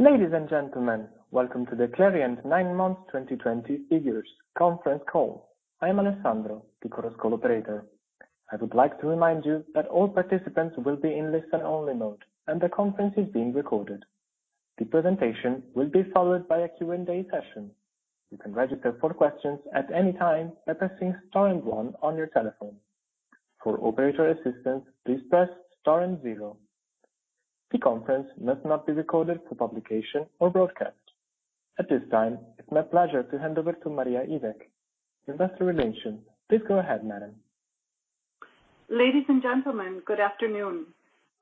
Ladies and gentlemen, welcome to the Clariant Nine Months 2020 Figures conference call. I am Alessandro, the conference call operator. I would like to remind you that all participants will be in listen-only mode, and the conference is being recorded. The presentation will be followed by a Q&A session. You can register for questions at any time by pressing star and one on your telephone. For operator assistance, please press star and zero. The conference must not be recorded for publication or broadcast. At this time, it's my pleasure to hand over to Maria Ivek, investor relations. Please go ahead, madam. Ladies and gentlemen, good afternoon.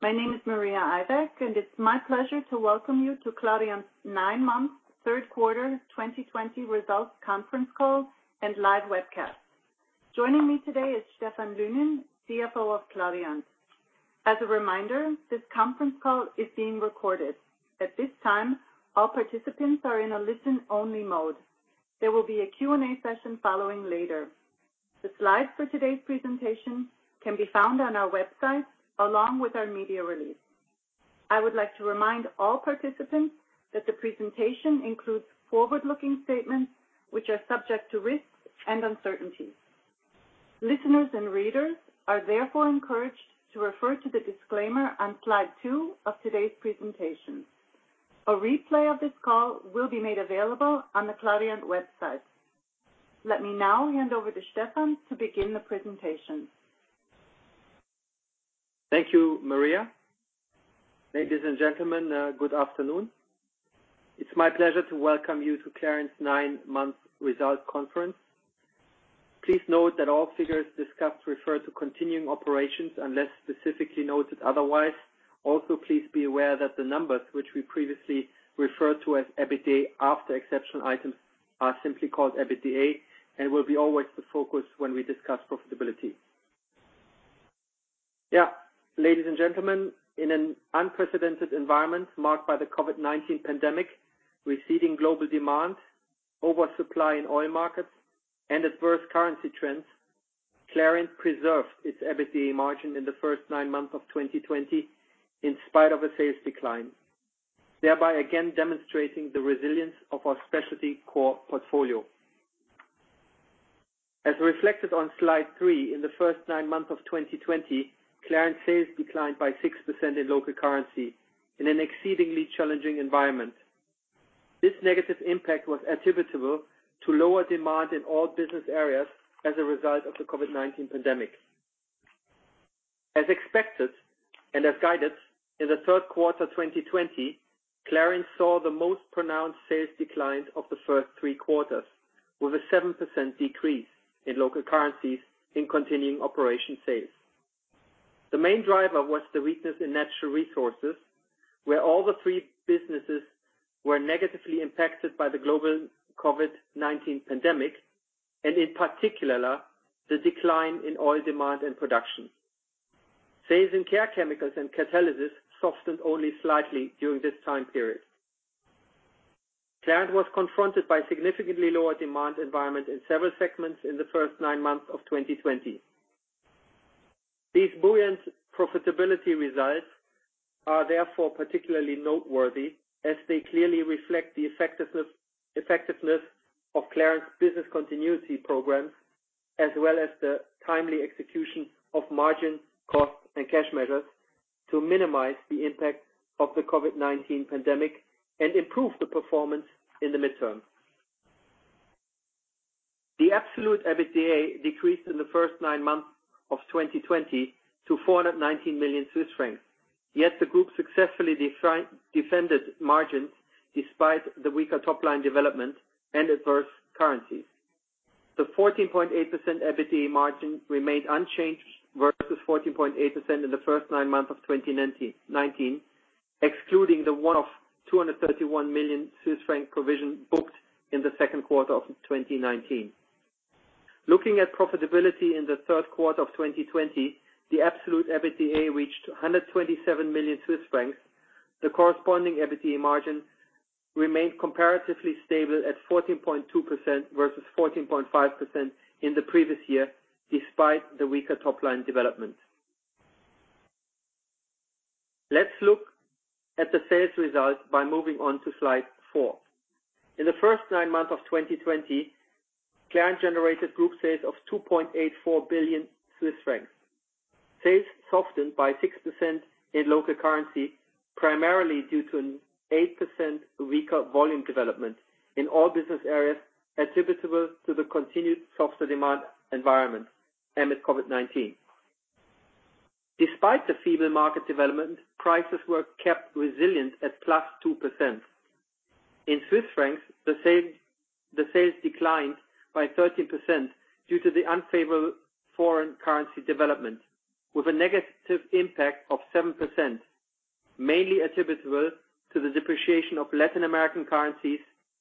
My name is Maria Ivek, and it's my pleasure to welcome you to Clariant's Nine Months Third Quarter 2020 Results conference call and live webcast. Joining me today is Stephan Lynen, CFO of Clariant. As a reminder, this conference call is being recorded. At this time, all participants are in a listen-only mode. There will be a Q&A session following later. The slides for today's presentation can be found on our website along with our media release. I would like to remind all participants that the presentation includes forward-looking statements, which are subject to risks and uncertainties. Listeners and readers are therefore encouraged to refer to the disclaimer on slide two of today's presentation. A replay of this call will be made available on the Clariant website. Let me now hand over to Stephan to begin the presentation. Thank you, Maria. Ladies and gentlemen, good afternoon. It's my pleasure to welcome you to Clariant's Nine Months Results conference. Please note that all figures discussed refer to continuing operations unless specifically noted otherwise. Also, please be aware that the numbers which we previously referred to as EBITDA after exceptional items are simply called EBITDA and will be always the focus when we discuss profitability. Yeah. Ladies and gentlemen, in an unprecedented environment marked by the COVID-19 pandemic, receding global demand, oversupply in oil markets, and adverse currency trends, Clariant preserved its EBITDA margin in the first nine months of 2020 in spite of a sales decline, thereby again demonstrating the resilience of our specialty core portfolio. As reflected on slide three, in the first nine months of 2020, Clariant sales declined by 6% in local currency in an exceedingly challenging environment. This negative impact was attributable to lower demand in all business areas as a result of the COVID-19 pandemic. As expected, and as guided, in the third quarter 2020, Clariant saw the most pronounced sales decline of the first three quarters, with a 7% decrease in local currencies in continuing operation sales. The main driver was the weakness in Natural Resources, where all the three businesses were negatively impacted by the global COVID-19 pandemic, and in particular, the decline in oil demand and production. Sales in Care Chemicals and Catalysis softened only slightly during this time period. Clariant was confronted by a significantly lower demand environment in several segments in the first nine months of 2020. These buoyant profitability results are therefore particularly noteworthy as they clearly reflect the effectiveness of Clariant's business continuity programs as well as the timely execution of margin, cost, and cash measures to minimize the impact of the COVID-19 pandemic and improve the performance in the midterm. The absolute EBITDA decreased in the first nine months of 2020 to 419 million Swiss francs, yet the group successfully defended margins despite the weaker top-line development and adverse currencies. The 14.8% EBITDA margin remained unchanged versus 14.8% in the first nine months of 2019, excluding the one-off 231 million Swiss franc provision booked in the second quarter of 2019. Looking at profitability in the third quarter of 2020, the absolute EBITDA reached 127 million Swiss francs. The corresponding EBITDA margin remained comparatively stable at 14.2% versus 14.5% in the previous year, despite the weaker top-line development. Let's look at the sales results by moving on to slide four. In the first nine months of 2020, Clariant generated group sales of 2.84 billion Swiss francs. Sales softened by 6% in local currency, primarily due to an 8% weaker volume development in all business areas attributable to the continued softer demand environment amid COVID-19. Despite the feeble market development, prices were kept resilient at +2%. In Swiss franc, the sales declined by 13% due to the unfavorable foreign currency development, with a negative impact of 7%, mainly attributable to the depreciation of Latin American currencies,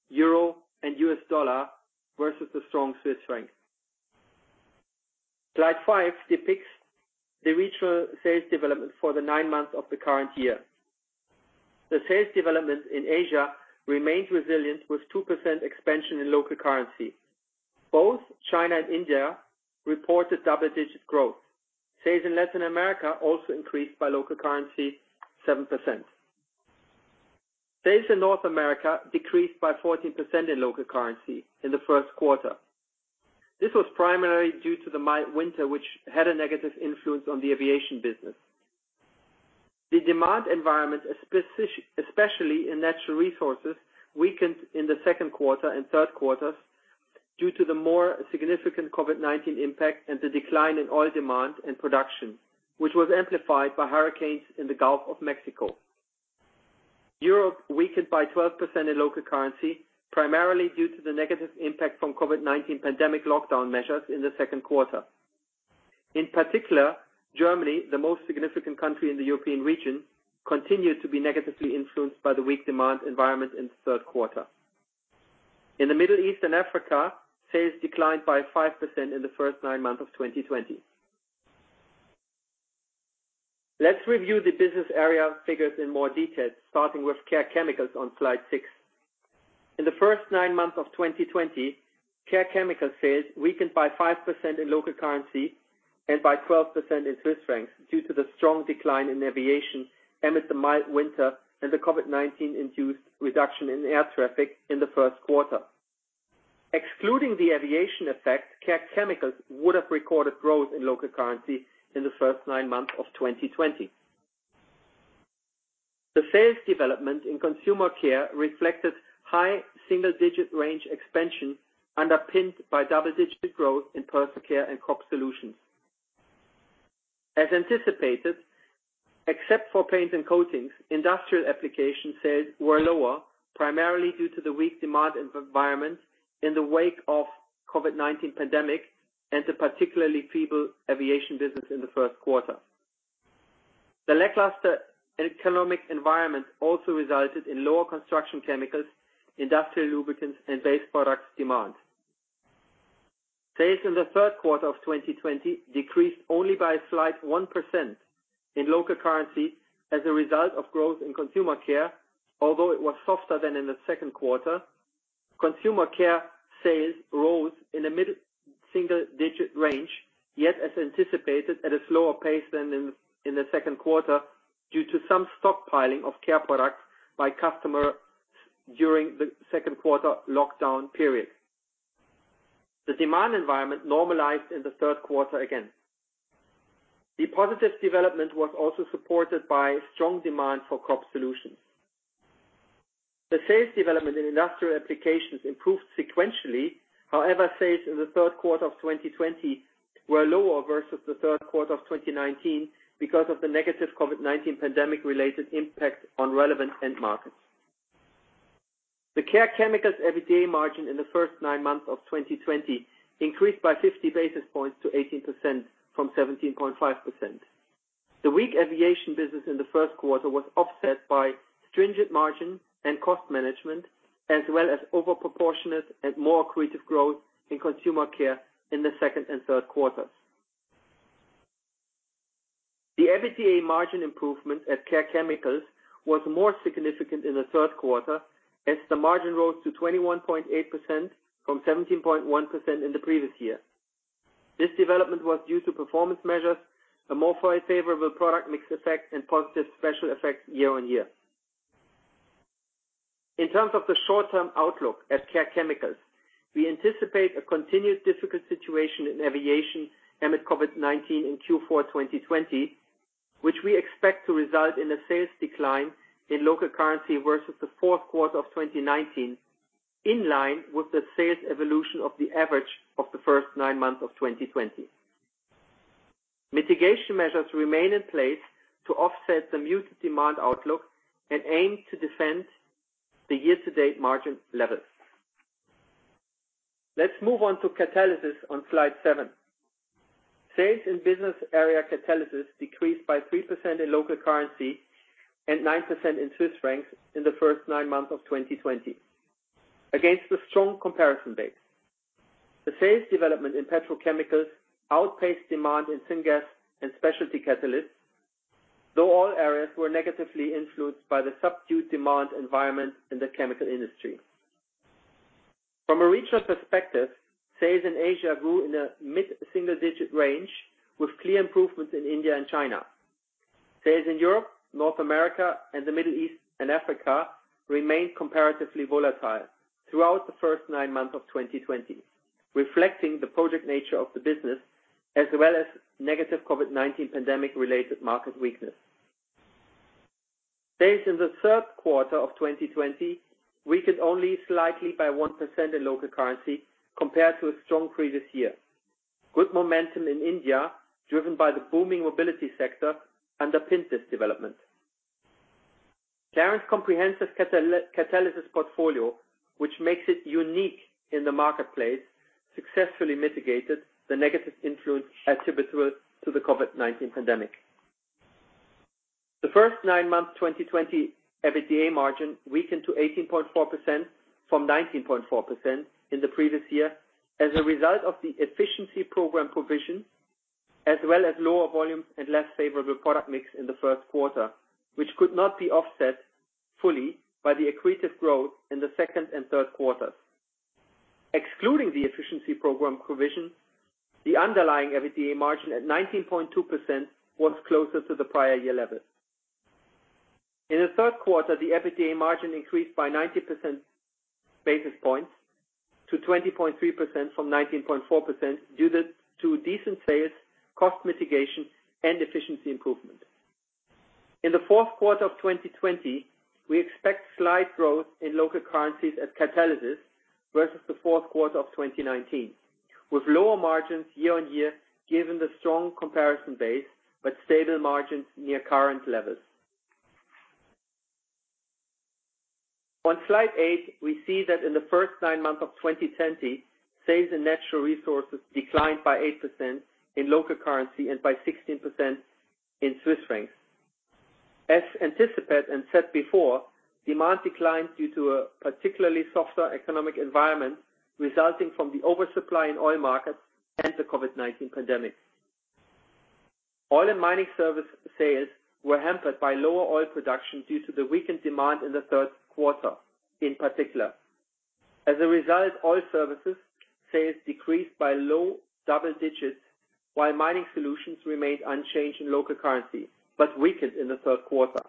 EUR, and USD versus the strong Swiss franc. Slide five depicts the regional sales development for the nine months of the current year. The sales development in Asia remained resilient with 2% expansion in local currency. Both China and India reported double-digit growth. Sales in Latin America also increased by local currency 7%. Sales in North America decreased by 14% in local currency in the first quarter. This was primarily due to the mild winter, which had a negative influence on the aviation business. The demand environment, especially in Natural Resources, weakened in the second quarter and third quarters due to the more significant COVID-19 impact and the decline in oil demand and production, which was amplified by hurricanes in the Gulf of Mexico. Europe weakened by 12% in local currency, primarily due to the negative impact from COVID-19 pandemic lockdown measures in the second quarter. In particular, Germany, the most significant country in the European region, continued to be negatively influenced by the weak demand environment in the third quarter. In the Middle East and Africa, sales declined by 5% in the first nine months of 2020. Let's review the business area figures in more detail, starting with Care Chemicals on slide six. In the first nine months of 2020, Care Chemicals sales weakened by 5% in local currency and by 12% in Swiss francs due to the strong decline in aviation amid the mild winter and the COVID-19-induced reduction in air traffic in the first quarter. Excluding the aviation effect, Care Chemicals would have recorded growth in local currency in the first nine months of 2020. The sales development in Consumer Care reflected high single-digit range expansion, underpinned by double-digit growth in Personal Care and Crop Solutions. As anticipated, except for paints and coatings, Industrial Applications sales were lower, primarily due to the weak demand environment in the wake of COVID-19 pandemic and the particularly feeble aviation business in the first quarter. The lackluster economic environment also resulted in lower Construction Chemicals, Industrial Lubricants, and Base Products demand. Sales in the third quarter of 2020 decreased only by a slight 1% in local currency as a result of growth in Consumer Care, although it was softer than in the second quarter. Consumer Care sales rose in the mid-single-digit range, yet as anticipated at a slower pace than in the second quarter, due to some stockpiling of care products by customers during the second quarter lockdown period. The demand environment normalized in the third quarter again. The positive development was also supported by strong demand for Crop Solutions. The sales development in Industrial Applications improved sequentially. Sales in the third quarter of 2020 were lower versus the third quarter of 2019 because of the negative COVID-19 pandemic-related impact on relevant end markets. The Care Chemicals EBITDA margin in the first nine months of 2020 increased by 50 basis points to 18% from 17.5%. The weak aviation business in the first quarter was offset by stringent margin and cost management, as well as overproportionate and more accretive growth in Consumer Care in the second and third quarters. The EBITDA margin improvement at Care Chemicals was more significant in the third quarter as the margin rose to 21.8% from 17.1% in the previous year. This development was due to performance measures, a more favorable product mix effect, and positive special effects year on year. In terms of the short-term outlook at Care Chemicals, we anticipate a continued difficult situation in aviation amid COVID-19 in Q4 2020, which we expect to result in a sales decline in local currency versus the fourth quarter of 2019, in line with the sales evolution of the average of the first nine months of 2020. Mitigation measures remain in place to offset the muted demand outlook and aim to defend the year-to-date margin levels. Let's move on to Catalysis on slide seven. Sales in business area Catalysis decreased by 3% in local currency and 9% in Swiss franc in the first nine months of 2020 against a strong comparison base. The sales development in Petrochemicals outpaced demand in Syngas and Specialty Catalysts, though all areas were negatively influenced by the subdued demand environment in the chemical industry. From a regional perspective, sales in Asia grew in the mid-single-digit range with clear improvements in India and China. Sales in Europe, North America, and the Middle East and Africa remained comparatively volatile throughout the first nine months of 2020, reflecting the project nature of the business, as well as negative COVID-19 pandemic-related market weakness. Sales in the third quarter of 2020 weakened only slightly by 1% in local currency compared to a strong previous year. Good momentum in India, driven by the booming mobility sector, underpinned this development. Clariant's comprehensive Catalysis portfolio, which makes it unique in the marketplace, successfully mitigated the negative influence attributable to the COVID-19 pandemic. The first nine months 2020 EBITDA margin weakened to 18.4% from 19.4% in the previous year as a result of the efficiency program provision. As well as lower volumes and less favorable product mix in the first quarter, which could not be offset fully by the accretive growth in the second and third quarters. Excluding the efficiency program provision, the underlying EBITDA margin at 19.2% was closer to the prior year level. In the third quarter, the EBITDA margin increased by 90 basis points to 20.3% from 19.4%, due to decent sales, cost mitigation, and efficiency improvement. In the fourth quarter of 2020, we expect slight growth in local currencies at Catalysis versus the fourth quarter of 2019, with lower margins year-on-year, given the strong comparison base, but stable margins near current levels. On slide eight, we see that in the first nine months of 2020, sales in Natural Resources declined by 8% in local currency and by 16% in Swiss franc. As anticipated and said before, demand declined due to a particularly softer economic environment resulting from the oversupply in oil markets and the COVID-19 pandemic. Oil and Mining Services sales were hampered by lower oil production due to the weakened demand in the third quarter in particular. As a result, Oil Services sales decreased by low double-digits, while Mining Solutions remained unchanged in local currency, but weakened in the third quarter.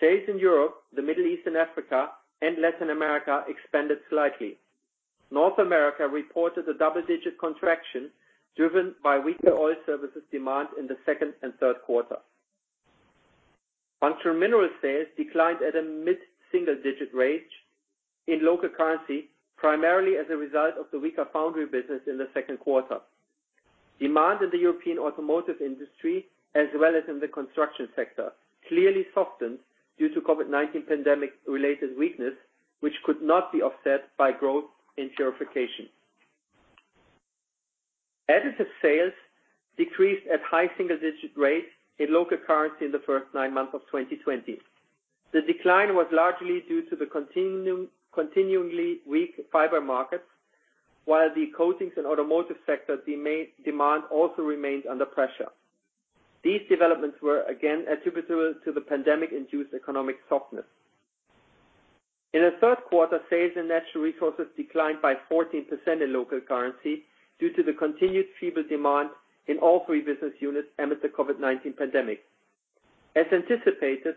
Sales in Europe, the Middle East and Africa, and Latin America expanded slightly. North America reported a double-digit contraction driven by weaker Oil Services demand in the second and third quarter. Functional Minerals sales declined at a mid-single digit rate in local currency, primarily as a result of the weaker foundry business in the second quarter. Demand in the European automotive industry, as well as in the construction sector, clearly softened due to COVID-19 pandemic-related weakness, which could not be offset by growth in purification. Additives sales decreased at high-single-digit rates in local currency in the first nine months of 2020. The decline was largely due to the continually weak fiber markets, while the coatings and automotive sector demand also remained under pressure. These developments were again attributable to the pandemic-induced economic softness. In the third quarter, sales in Natural Resources declined by 14% in local currency due to the continued feeble demand in all three business units amidst the COVID-19 pandemic. As anticipated,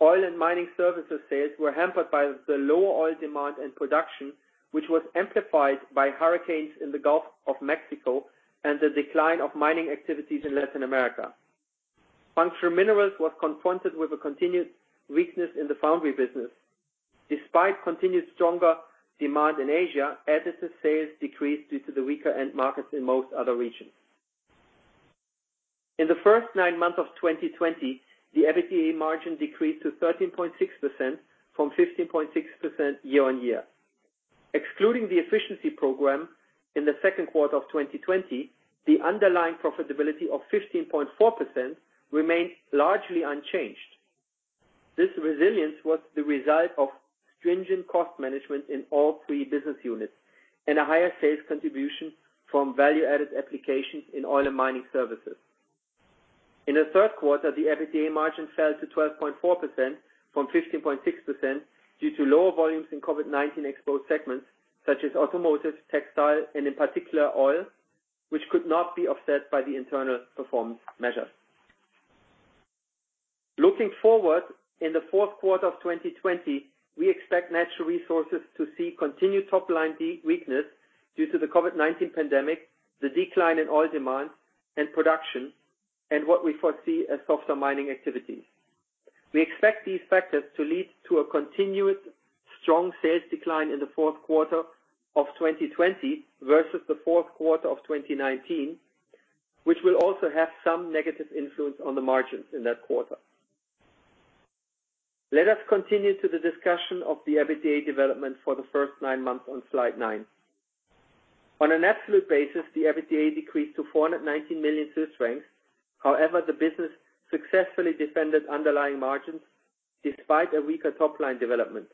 Oil and Mining Services sales were hampered by the lower oil demand and production, which was amplified by hurricanes in the Gulf of Mexico and the decline of mining activities in Latin America. Functional Minerals was confronted with a continued weakness in the foundry business. Despite continued stronger demand in Asia, Additives sales decreased due to the weaker end markets in most other regions. In the first nine months of 2020, the EBITDA margin decreased to 13.6% from 15.6% year-on-year. Excluding the efficiency program in the second quarter of 2020, the underlying profitability of 15.4% remained largely unchanged. This resilience was the result of stringent cost management in all three business units and a higher sales contribution from value-added applications in Oil and Mining Services. In the third quarter, the EBITDA margin fell to 12.4% from 15.6% due to lower volumes in COVID-19-exposed segments such as automotive, textile, and in particular oil, which could not be offset by the internal performance measure. Looking forward, in the fourth quarter of 2020, we expect Natural Resources to see continued top-line weakness due to the COVID-19 pandemic, the decline in oil demand and production, and what we foresee as softer mining activities. We expect these factors to lead to a continued strong sales decline in the fourth quarter of 2020 versus the fourth quarter of 2019, which will also have some negative influence on the margins in that quarter. Let us continue to the discussion of the EBITDA development for the first nine months on slide nine. On an absolute basis, the EBITDA decreased to 419 million Swiss francs. However, the business successfully defended underlying margins despite a weaker top-line development.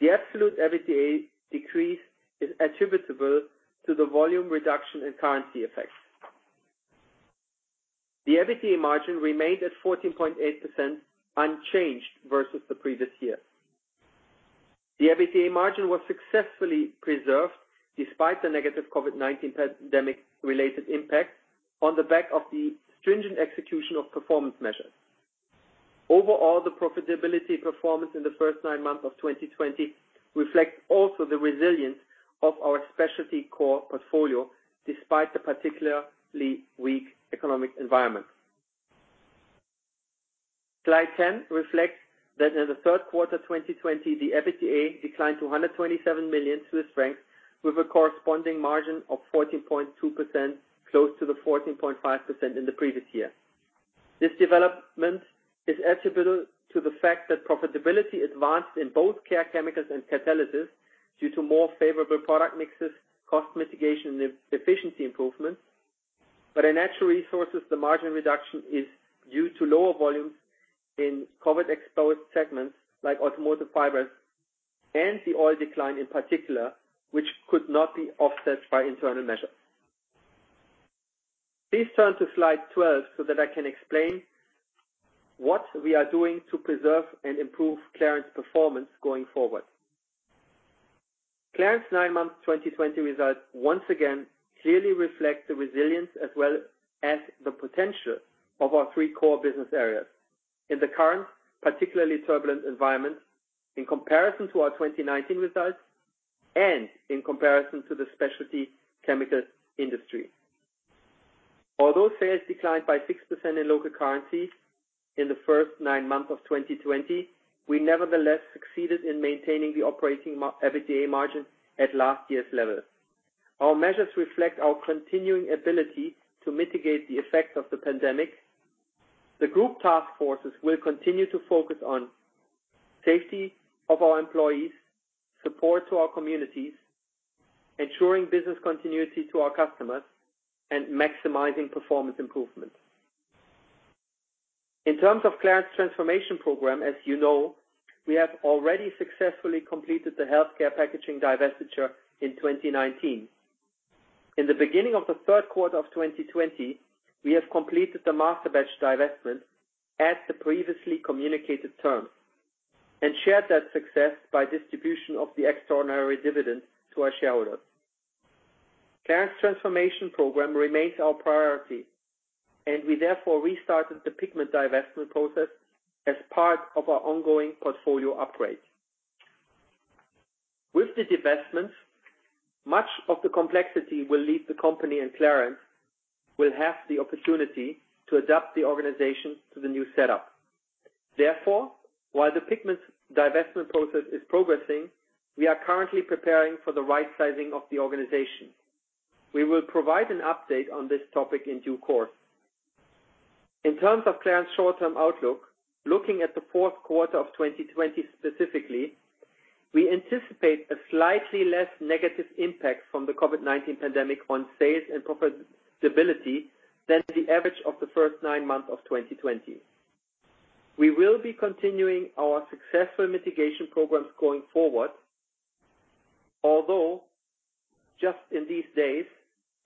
The absolute EBITDA decrease is attributable to the volume reduction and currency effects. The EBITDA margin remained at 14.8% unchanged versus the previous year. The EBITDA margin was successfully preserved despite the negative COVID-19 pandemic-related impact on the back of the stringent execution of performance measures. Overall, the profitability performance in the first nine months of 2020 reflects also the resilience of our specialty core portfolio, despite the particularly weak economic environment. Slide 10 reflects that in the third quarter 2020, the EBITDA declined to 127 million Swiss francs with a corresponding margin of 14.2%, close to the 14.5% in the previous year. This development is attributable to the fact that profitability advanced in both Care Chemicals and Catalysis due to more favorable product mixes, cost mitigation, and efficiency improvements. In Natural Resources, the margin reduction is due to lower volumes in COVID-exposed segments like automotive fibers and the oil decline in particular, which could not be offset by internal measures. Please turn to slide 12 so that I can explain what we are doing to preserve and improve Clariant's performance going forward. Clariant's nine-month 2020 results once again clearly reflect the resilience as well as the potential of our three core business areas in the current particularly turbulent environment in comparison to our 2019 results and in comparison to the specialty chemicals industry. Although sales declined by 6% in local currency in the first nine months of 2020, we nevertheless succeeded in maintaining the operating EBITDA margin at last year's level. Our measures reflect our continuing ability to mitigate the effects of the pandemic. The group task forces will continue to focus on safety of our employees, support to our communities, ensuring business continuity to our customers, and maximizing performance improvements. In terms of Clariant's transformation program, as you know, we have already successfully completed the Healthcare Packaging divestiture in 2019. In the beginning of the third quarter of 2020, we have completed the Masterbatch divestment at the previously communicated term and shared that success by distribution of the extraordinary dividends to our shareholders. Clariant's transformation program remains our priority, and we therefore restarted the Pigments divestment process as part of our ongoing portfolio upgrade. With the divestments, much of the complexity will leave the company and Clariant will have the opportunity to adapt the organization to the new setup. Therefore, while the Pigments divestment process is progressing, we are currently preparing for the right sizing of the organization. We will provide an update on this topic in due course. In terms of Clariant's short-term outlook, looking at the fourth quarter of 2020 specifically, we anticipate a slightly less negative impact from the COVID-19 pandemic on sales and profitability than the average of the first nine months of 2020. We will be continuing our successful mitigation programs going forward. Although just in these days,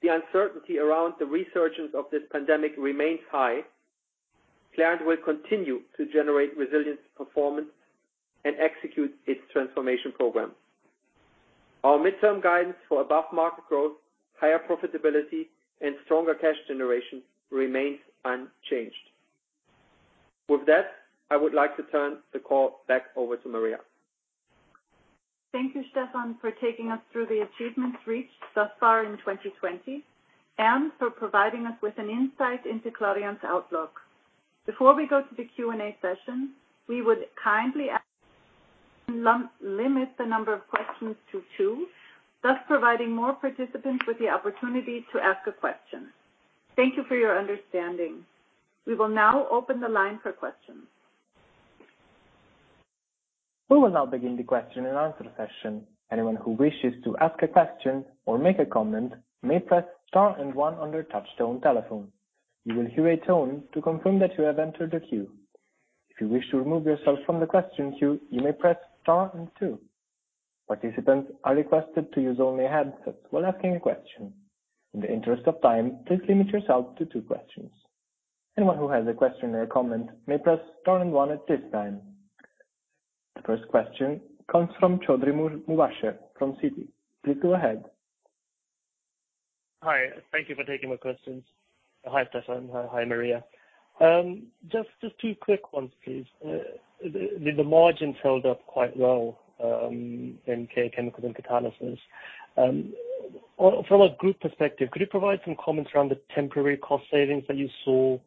the uncertainty around the resurgence of this pandemic remains high, Clariant will continue to generate resilient performance and execute its transformation program. Our midterm guidance for above-market growth, higher profitability, and stronger cash generation remains unchanged. With that, I would like to turn the call back over to Maria. Thank you, Stephan, for taking us through the achievements reached thus far in 2020 and for providing us with an insight into Clariant's outlook. Before we go to the Q&A session, we would kindly ask you to limit the number of questions to two, thus providing more participants with the opportunity to ask a question. Thank you for your understanding. We will now open the line for questions. We will now begin the question and answer session. Anyone who wishes to ask a question or make a comment may press star and one on their touchtone telephone. You will hear a tone to confirm that you have entered the queue. If you wish to remove yourself from the question queue, you may press star and two. Participants are requested to use only handsets while asking a question. In the interest of time, please limit yourself to two questions. Anyone who has a question or a comment may press star and one at this time. The first question comes from Chaudhury Mubasher from Citi. Please go ahead. Hi. Thank you for taking my questions. Hi, Stephan. Hi, Maria. Just two quick ones, please. The margins held up quite well in Care Chemicals and Catalysts. From a group perspective, could you provide some comments around the temporary cost savings that you saw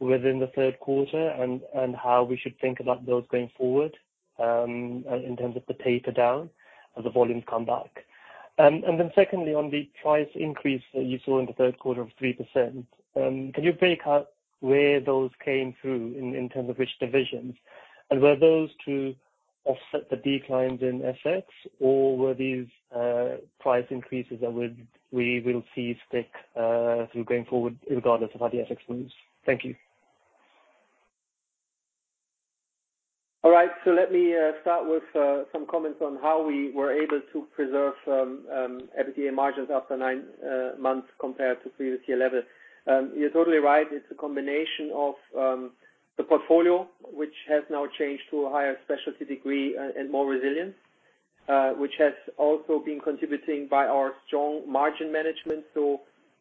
within the third quarter and how we should think about those going forward, in terms of the taper down as the volumes come back? Then secondly, on the price increase that you saw in the third quarter of 3%, can you break out where those came through in terms of which divisions, and were those to offset the declines in FX or were these price increases that we will see stick through going forward regardless of how the FX moves? Thank you. All right. Let me start with some comments on how we were able to preserve some EBITDA margins after nine months compared to previous year levels. You're totally right. It's a combination of the portfolio, which has now changed to a higher specialty degree and more resilient, which has also been contributing by our strong margin management.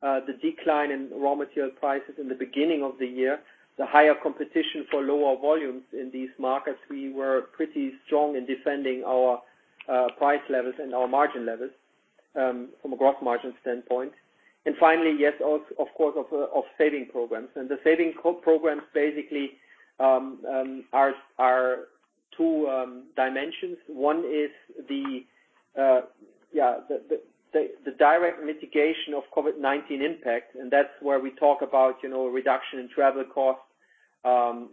The decline in raw material prices in the beginning of the year, the higher competition for lower volumes in these markets, we were pretty strong in defending our price levels and our margin levels from a gross margin standpoint. Finally, yes, of course, of saving programs. The saving programs basically are two dimensions. One is the direct mitigation of COVID-19 impact, and that's where we talk about reduction in travel costs,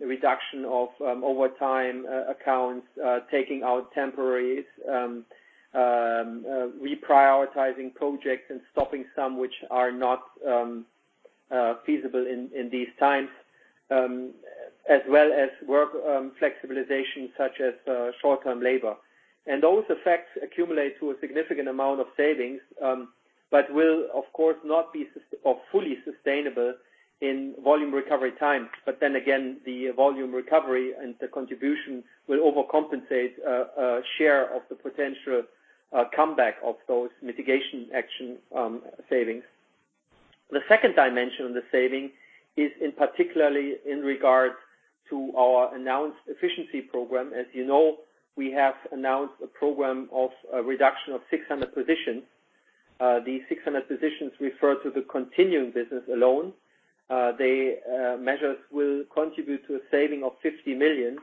reduction of overtime accounts, taking out temporaries, reprioritizing projects and stopping some which are not feasible in these times, as well as work flexibilization such as short-term labor. Those effects accumulate to a significant amount of savings, but will, of course, not be fully sustainable in volume recovery time. Then again, the volume recovery and the contribution will overcompensate a share of the potential comeback of those mitigation action savings. The second dimension of the saving is in particularly in regards to our announced efficiency program. As you know, we have announced a program of a reduction of 600 positions. These 600 positions refer to the continuing business alone. The measures will contribute to a saving of 50 million.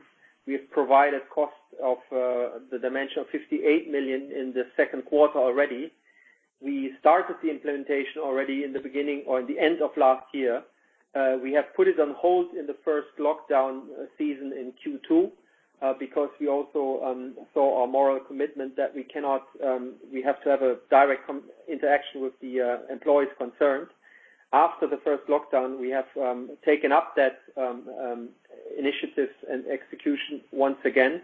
We have provided cost of the dimension of 58 million in the second quarter already. We started the implementation already in the beginning or the end of last year. We have put it on hold in the first lockdown season in Q2 because we also saw our moral commitment that we have to have a direct interaction with the employees concerned. After the first lockdown, we have taken up that initiative and execution once again.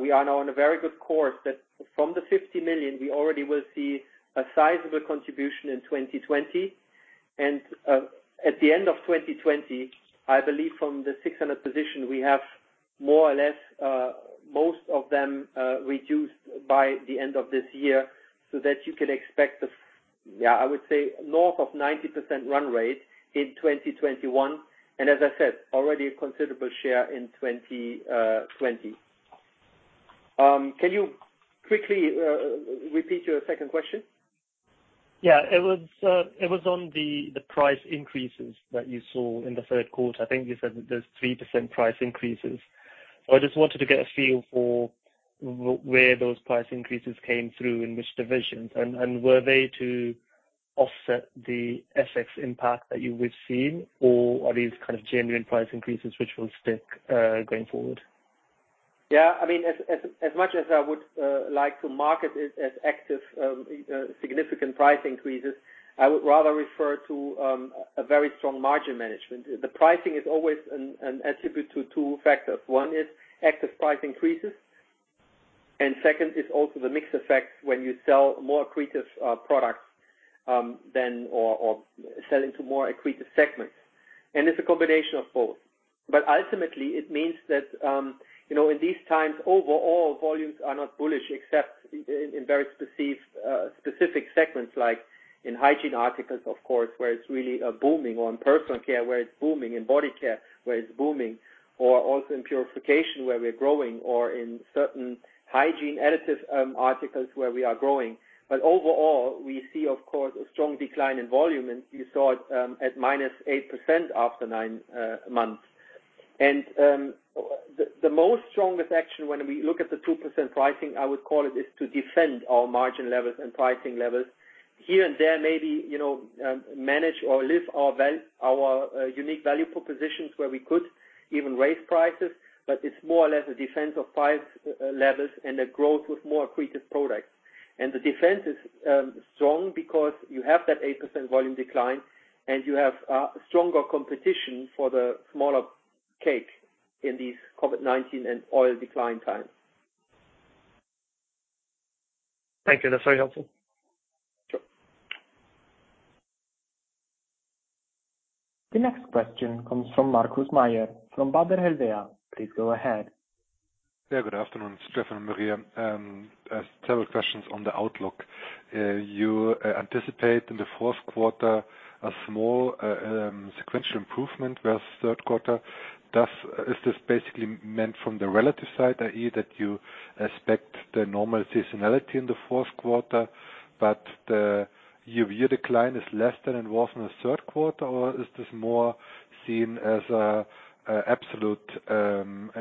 We are now on a very good course that from the 50 million, we already will see a sizable contribution in 2020. At the end of 2020, I believe from the 600 position, we have more or less most of them reduced by the end of this year, so that you can expect, I would say, north of 90% run rate in 2021. As I said, already a considerable share in 2020. Can you quickly repeat your second question? Yeah. It was on the price increases that you saw in the third quarter. I think you said that there's 3% price increases. I just wanted to get a feel for where those price increases came through, in which divisions. Were they to offset the FX impact that you would've seen, or are these kind of genuine price increases which will stick, going forward? Yeah. As much as I would like to market it as active significant price increases, I would rather refer to a very strong margin management. The pricing is always an attribute to two factors. One is active price increases, second is also the mix effect when you sell more accretive products or sell into more accretive segments. It's a combination of both. Ultimately it means that in these times, overall, volumes are not bullish except in very specific segments, like in hygiene articles, of course, where it's really booming, or in Personal Care, where it's booming, in body care, where it's booming, or also in purification, where we're growing, or in certain hygiene additive articles where we are growing. Overall, we see, of course, a strong decline in volume, and you saw it at -8% after nine months. The most strongest action when we look at the 2% pricing, I would call it, is to defend our margin levels and pricing levels. Here and there, maybe, manage or live our unique value propositions where we could even raise prices, but it's more or less a defense of price levels and a growth with more accretive products. The defense is strong because you have that 8% volume decline, and you have a stronger competition for the smaller cake in these COVID-19 and oil decline time. Thank you. That's very helpful. Sure. The next question comes from Markus Mayer, from Baader Helvea. Please go ahead. Yeah, good afternoon, Stephan and Maria. Several questions on the outlook. You anticipate in the fourth quarter a small sequential improvement versus third quarter. Is this basically meant from the relative side, i.e., that you expect the normal seasonality in the fourth quarter, but your decline is less than it was in the third quarter? Is this more seen as in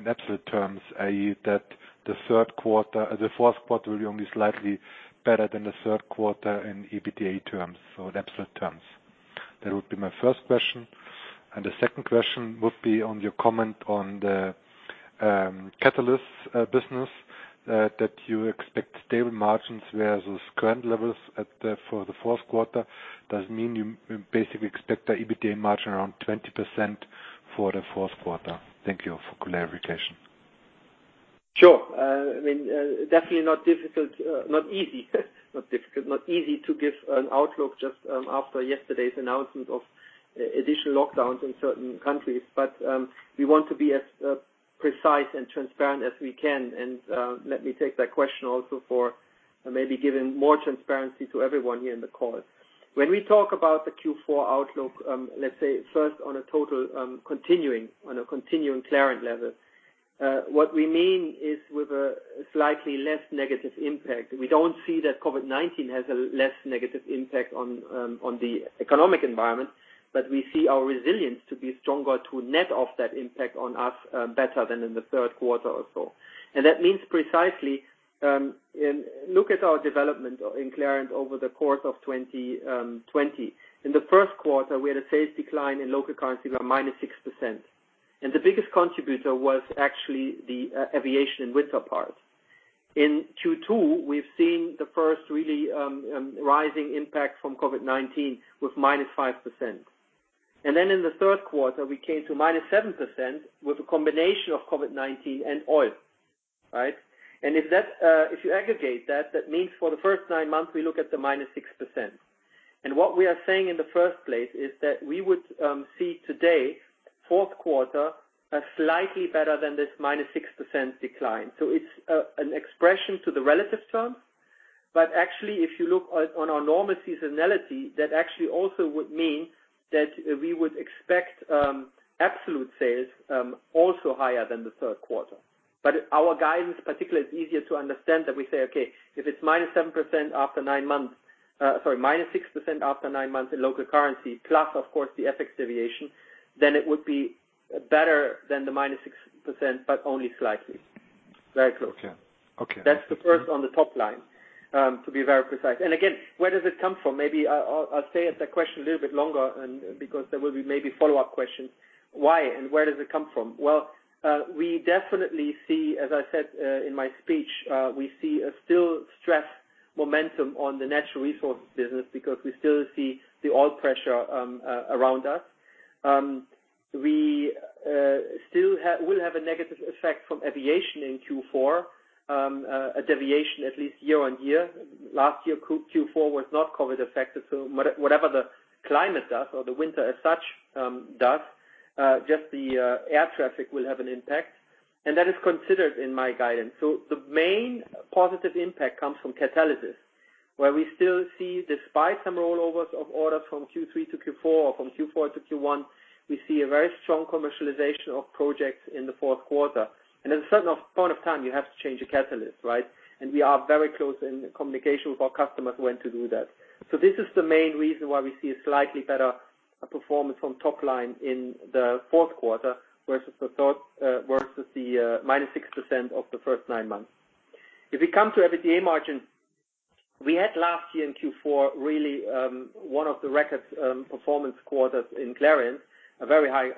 absolute terms, i.e., that the fourth quarter will be only slightly better than the third quarter in EBITDA terms, so in absolute terms? That would be my first question. The second question would be on your comment on the Catalysis business, that you expect stable margins whereas those current levels for the fourth quarter. Does it mean you basically expect the EBITDA margin around 20% for the fourth quarter? Thank you for clarification. Sure. Definitely not easy to give an outlook just after yesterday's announcement of additional lockdowns in certain countries. We want to be as precise and transparent as we can. Let me take that question also for maybe giving more transparency to everyone here in the call. When we talk about the Q4 outlook, let's say first on a total continuing Clariant level, what we mean is with a slightly less negative impact. We don't see that COVID-19 has a less negative impact on the economic environment, but we see our resilience to be stronger to net off that impact on us better than in the third quarter or so. That means precisely, look at our development in Clariant over the course of 2020. In the first quarter, we had a sales decline in local currency of minus 6%. The biggest contributor was actually the aviation and winter part. In Q2, we've seen the first really rising impact from COVID-19 with -5%. In the third quarter, we came to -7% with a combination of COVID-19 and oil. Right? If you aggregate that means for the first nine months, we look at the -6%. What we are saying in the first place is that we would see today, fourth quarter, a slightly better than this -6% decline. It's an expression to the relative term. Actually, if you look on our normal seasonality, that actually also would mean that we would expect absolute sales also higher than the third quarter. Our guidance particularly is easier to understand that we say, okay, if it is -7% after nine months, sorry, -6% after nine months in local currency, plus, of course, the FX deviation, then it would be better than the -6%, but only slightly. Very close. Okay. That's the first on the top line, to be very precise. Again, where does it come from? Maybe I'll stay at that question a little bit longer and because there will be maybe follow-up questions. Why and where does it come from? Well, we definitely see, as I said in my speech, we see a still stress momentum on the Natural Resources business because we still see the oil pressure around us. We still will have a negative effect from aviation in Q4, a deviation at least year-on-year. Last year, Q4 was not COVID affected. Whatever the climate does or the winter as such does, just the air traffic will have an impact. That is considered in my guidance. The main positive impact comes from Catalysis, where we still see, despite some rollovers of orders from Q3-Q4 or from Q4-Q1, we see a very strong commercialization of projects in the fourth quarter. At a certain point of time, you have to change a catalyst, right? We are very close in communication with our customers when to do that. This is the main reason why we see a slightly better performance from top line in the fourth quarter versus the -6% of the first nine months. If we come to EBITDA margin, we had last year in Q4, really one of the record performance quarters in Clariant, a very high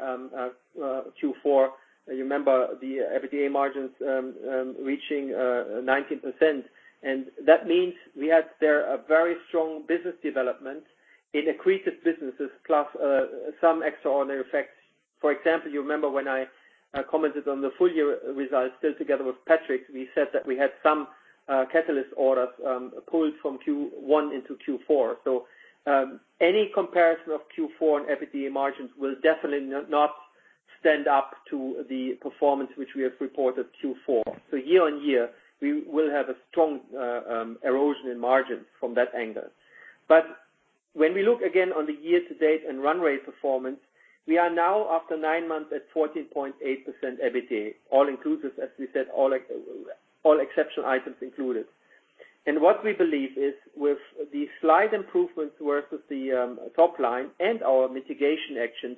Q4. You remember the EBITDA margins reaching 19%. That means we had there a very strong business development in accretive businesses plus some extraordinary effects. For example, you remember when I commented on the full year results, still together with Patrick, we said that we had some Catalysis orders pulled from Q1 into Q4. Any comparison of Q4 and EBITDA margins will definitely not stand up to the performance which we have reported Q4. Year-on-year, we will have a strong erosion in margin from that angle. When we look again on the year-to-date and runway performance, we are now after nine months at 14.8% EBITDA, all inclusive, as we said, all exception items included. What we believe is with the slight improvements versus the top line and our mitigation action,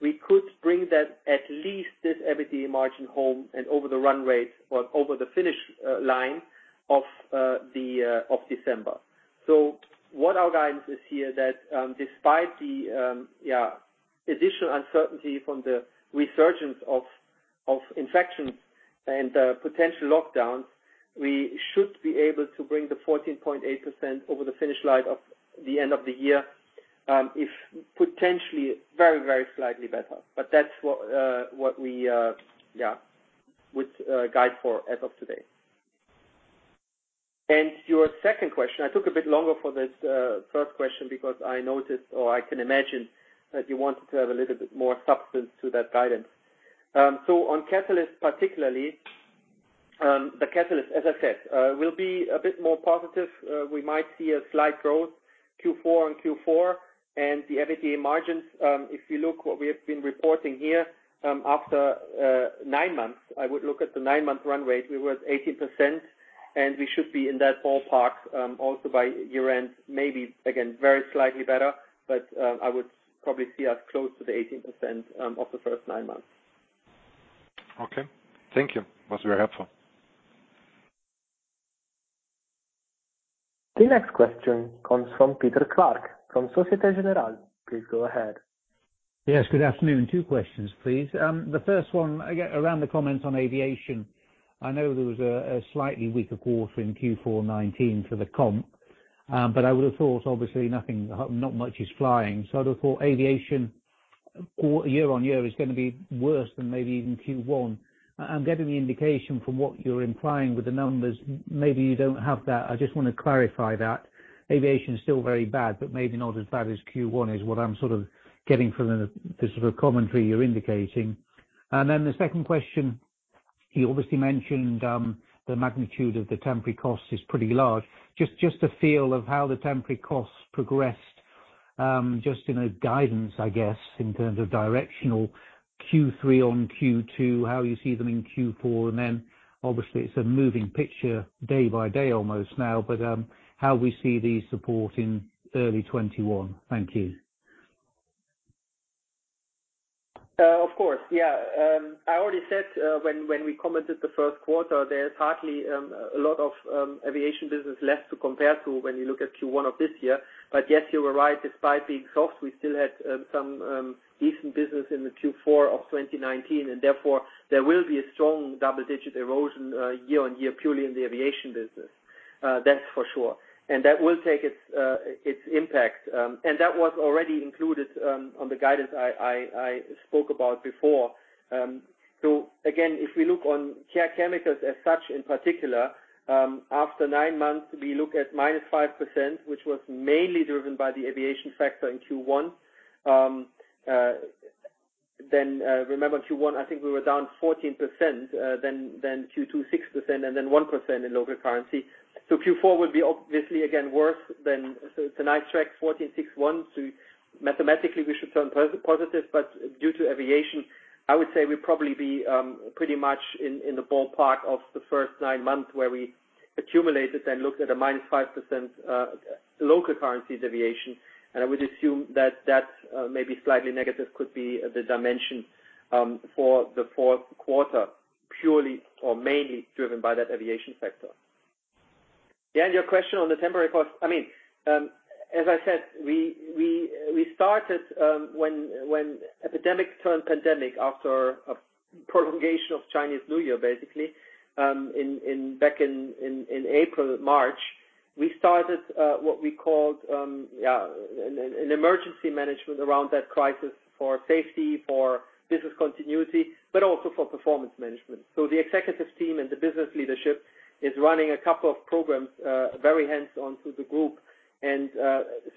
we could bring that at least this EBITDA margin home and over the runway or over the finish line of December. What our guidance is here that, despite the additional uncertainty from the resurgence of infections and potential lockdowns, we should be able to bring the 14.8% over the finish line of the end of the year, if potentially very, very slightly better. That's what we would guide for as of today. To your second question, I took a bit longer for this first question because I noticed, or I can imagine that you wanted to have a little bit more substance to that guidance. On Catalysis, particularly, the Catalysis, as I said, will be a bit more positive. We might see a slight growth Q4-on-Q4 and the EBITDA margins. If you look what we have been reporting here after nine months, I would look at the nine-month run rate. We were at 18%, and we should be in that ballpark also by year-end, maybe again, very slightly better, but I would probably see us close to the 18% of the first nine months. Okay. Thank you. That was very helpful. The next question comes from Peter Clark from Société Générale. Please go ahead. Yes, good afternoon. Two questions, please. The first one, again, around the comments on aviation. I know there was a slightly weaker quarter in Q4 2019 for the comp, but I would have thought, obviously nothing, not much is flying. I'd have thought aviation year-over-year is going to be worse than maybe even Q1. I'm getting the indication from what you're implying with the numbers, maybe you don't have that. I just want to clarify that. Aviation is still very bad, but maybe not as bad as Q1 is what I'm sort of getting from the sort of commentary you're indicating. The second question, you obviously mentioned the magnitude of the temporary cost is pretty large. Just a feel of how the temporary costs progressed, just in a guidance, I guess, in terms of directional Q3-on-Q2, how you see them in Q4, and then obviously it's a moving picture day by day almost now, but how we see the support in early 2021. Thank you. Of course, yeah. I already said when we commented the first quarter, there's hardly a lot of aviation business left to compare to when you look at Q1 of this year. Yes, you are right. Despite being soft, we still had some decent business in the Q4 2019, therefore there will be a strong double-digit erosion year-on-year purely in the aviation business. That's for sure. That will take its impact, that was already included on the guidance I spoke about before. Again, if we look on Care Chemicals as such, in particular, after nine months, we look at -5%, which was mainly driven by the aviation factor in Q1. Remember Q1, I think we were down 14%, Q2, 6%, 1% in local currency. Q4 will be obviously again. It's a nice track 14%, 6%, 1%. Mathematically we should turn positive, due to aviation, I would say we'll probably be pretty much in the ballpark of the first nine months where we accumulated and looked at a -5% local currency deviation. I would assume that that may be slightly negative could be the dimension for the fourth quarter, purely or mainly driven by that aviation factor. And, your question on the temporary cost. As I said, we started when epidemic turned pandemic after a prolongation of Chinese New Year, basically, back in April, March. We started what we called an emergency management around that crisis for safety, for business continuity, but also for performance management. The executive team and the business leadership is running a couple of programs very hands-on through the group. In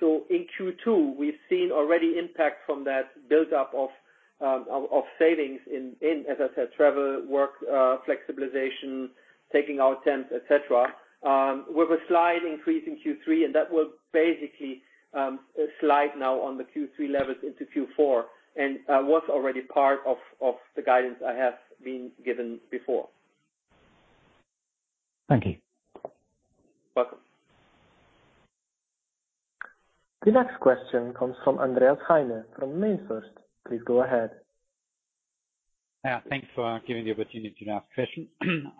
Q2, we've seen already impact from that build-up of savings in, as I said, travel, work flexibilization, taking out temp, et cetera. With a slight increase in Q3, and that will basically slide now on the Q3 levels into Q4, and was already part of the guidance I have been given before. Thank you. Welcome. The next question comes from Andreas Heine from MainFirst. Please go ahead. Yeah, thanks for giving the opportunity to ask question.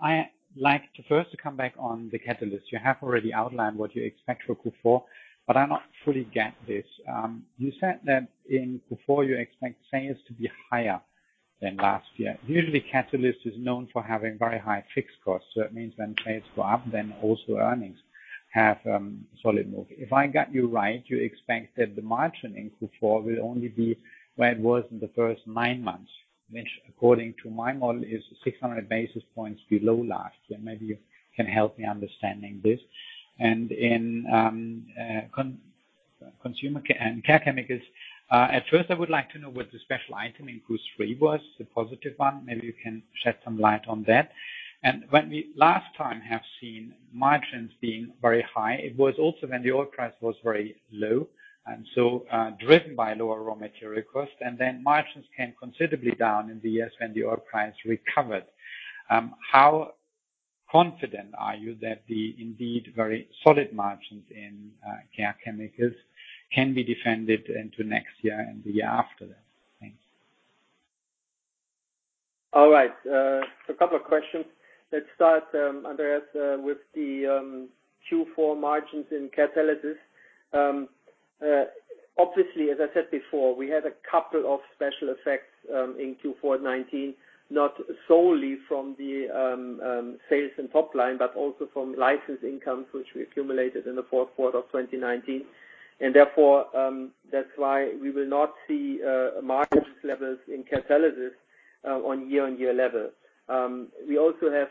I like to first to come back on the Catalysis. You have already outlined what you expect for Q4. I not fully get this. You said that in Q4 you expect sales to be higher than last year. Usually, Catalysis is known for having very high fixed costs. It means when sales go up, also earnings have solid move. If I got you right, you expect that the margin in Q4 will only be where it was in the first nine months, which according to my model is 600 basis points below last year. Maybe you can help me understanding this. In Care Chemicals, at first I would like to know what the special item in Q3 was, the positive one. Maybe you can shed some light on that. When we last time have seen margins being very high, it was also when the oil price was very low, and so driven by lower raw material cost, and then margins came considerably down in the years when the oil price recovered. How confident are you that the indeed very solid margins in Care Chemicals can be defended into next year and the year after that? Thanks. All right. A couple of questions. Let's start, Andreas, with the Q4 margins in Catalysis. Obviously, as I said before, we had a couple of special effects in Q4 2019, not solely from the sales and top line, but also from license income, which we accumulated in the fourth quarter of 2019. Therefore, that's why we will not see margins levels in Catalysis on year-on-year level. We also have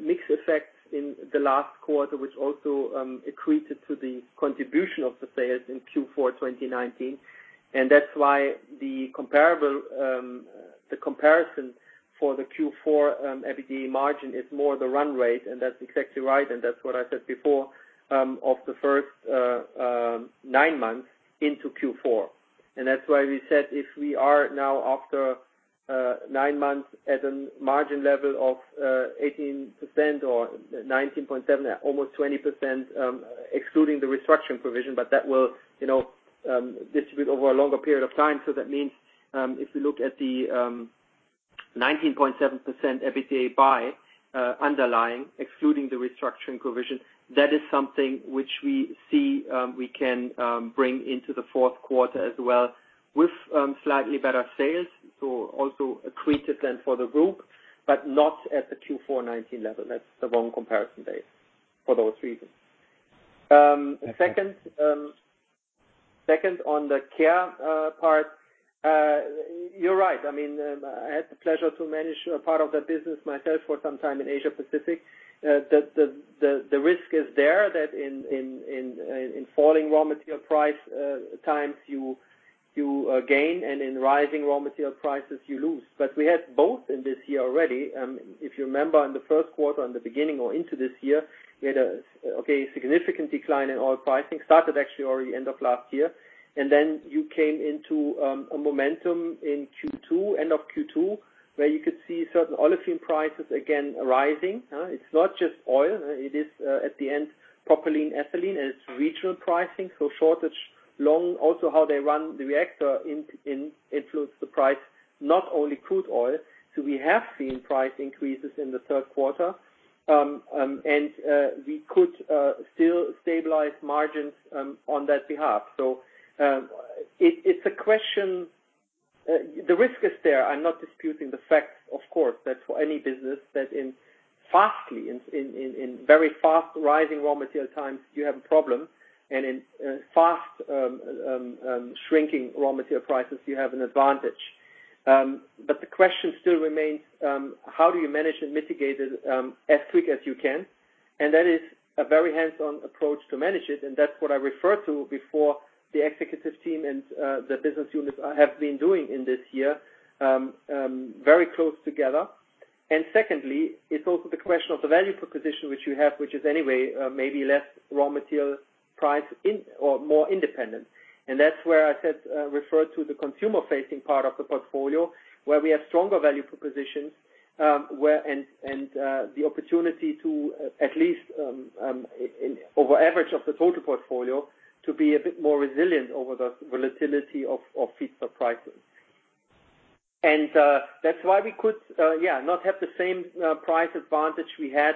mixed effects in the last quarter, which also accreted to the contribution of the sales in Q4 2019. That's why the comparison for the Q4 EBITDA margin is more the run rate, and that's exactly right, and that's what I said before, of the first nine months into Q4. That's why we said if we are now after nine months at a margin level of 18% or 19.7%, almost 20%, excluding the restructuring provision, but that will distribute over a longer period of time. That means, if we look at the 19.7% EBITDA by underlying, excluding the restructuring provision, that is something which we see we can bring into the fourth quarter as well with slightly better sales, also accretive then for the group, but not at the Q4 2019 level. That's the wrong comparison base for those reasons. Second on the Care part. You're right. I had the pleasure to manage a part of that business myself for some time in Asia-Pacific. The risk is there that in falling raw material price times, you gain, and in rising raw material prices, you lose. We had both in this year already. If you remember in the first quarter, in the beginning or into this year, we had a significant decline in oil pricing. Started actually already end of last year. Then you came into a momentum in Q2, end of Q2, where you could see certain oil prices again rising. It's not just oil. It is, at the end, propylene, ethylene, and it's regional pricing. Shortage long, also how they run the reactor includes the price, not only crude oil. We have seen price increases in the third quarter. We could still stabilize margins on that behalf. It's a question. The risk is there. I'm not disputing the facts. Of course, that for any business that in very fast rising raw material times, you have a problem, and in fast shrinking raw material prices, you have an advantage. The question still remains, how do you manage and mitigate it as quick as you can? That is a very hands-on approach to manage it, and that's what I referred to before the executive team and the business units have been doing in this year, very close together. Secondly, it's also the question of the value proposition which you have, which is anyway, maybe less raw material price or more independent. That's where I referred to the consumer-facing part of the portfolio, where we have stronger value propositions, and the opportunity to at least, over average of the total portfolio, to be a bit more resilient over the volatility of feedstock prices. That's why we could not have the same price advantage we had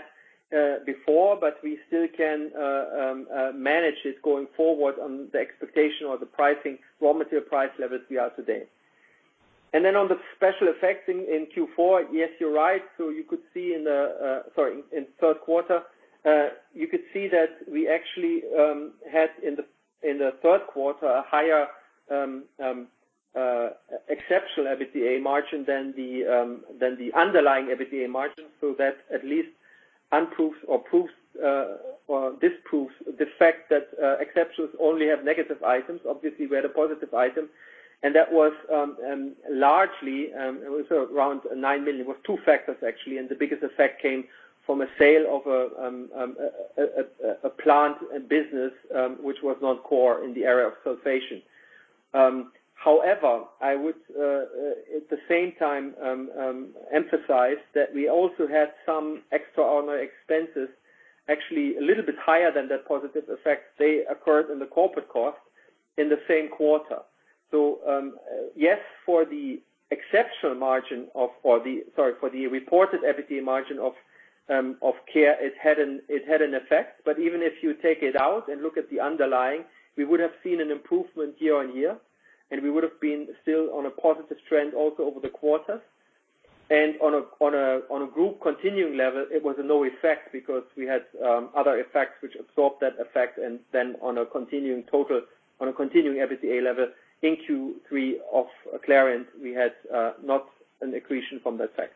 before. We still can manage it going forward on the expectation or the pricing raw material price levels we are today. On the special effects in Q4, yes, you're right. You could see that we actually had in the third quarter, a higher exceptional EBITDA margin than the underlying EBITDA margin. That at least proves or disproves the fact that exceptions only have negative items. Obviously, we had a positive item. That was largely, it was around 9 million, was two factors actually. The biggest effect came from a sale of a plant and business, which was not core in the area of sulfation. I would, at the same time, emphasize that we also had some extraordinary expenses, actually, a little bit higher than that positive effect. They occurred in the corporate cost in the same quarter. Yes, for the exceptional margin of-- sorry, for the reported EBITDA margin of Care, it had an effect, but even if you take it out and look at the underlying, we would have seen an improvement year-on-year, and we would've been still on a positive trend also over the quarter. On a group continuing level, it was a low effect because we had other effects which absorbed that effect and then on a continuing total, on a continuing EBITDA level in Q3 of Clariant, we had not an accretion from that effect.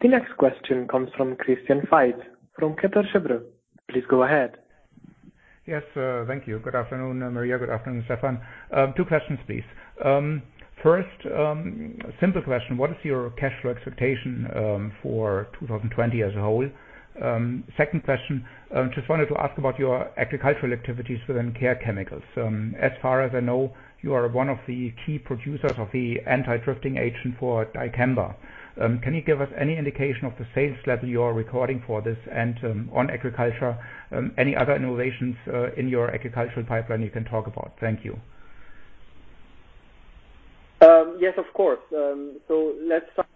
The next question comes from Christian Faitz from Kepler Cheuvreux. Please go ahead. Yes. Thank you. Good afternoon, Maria, good afternoon, Stefan. Two questions, please. First, simple question. What is your cash flow expectation for 2020 as a whole? Second question, just wanted to ask about your agricultural activities within Care Chemicals. As far as I know, you are one of the key producers of the anti-drifting agent for dicamba. Can you give us any indication of the sales level you are recording for this and, on agriculture, any other innovations in your agricultural pipeline you can talk about? Thank you. Yes, of course. Let's start.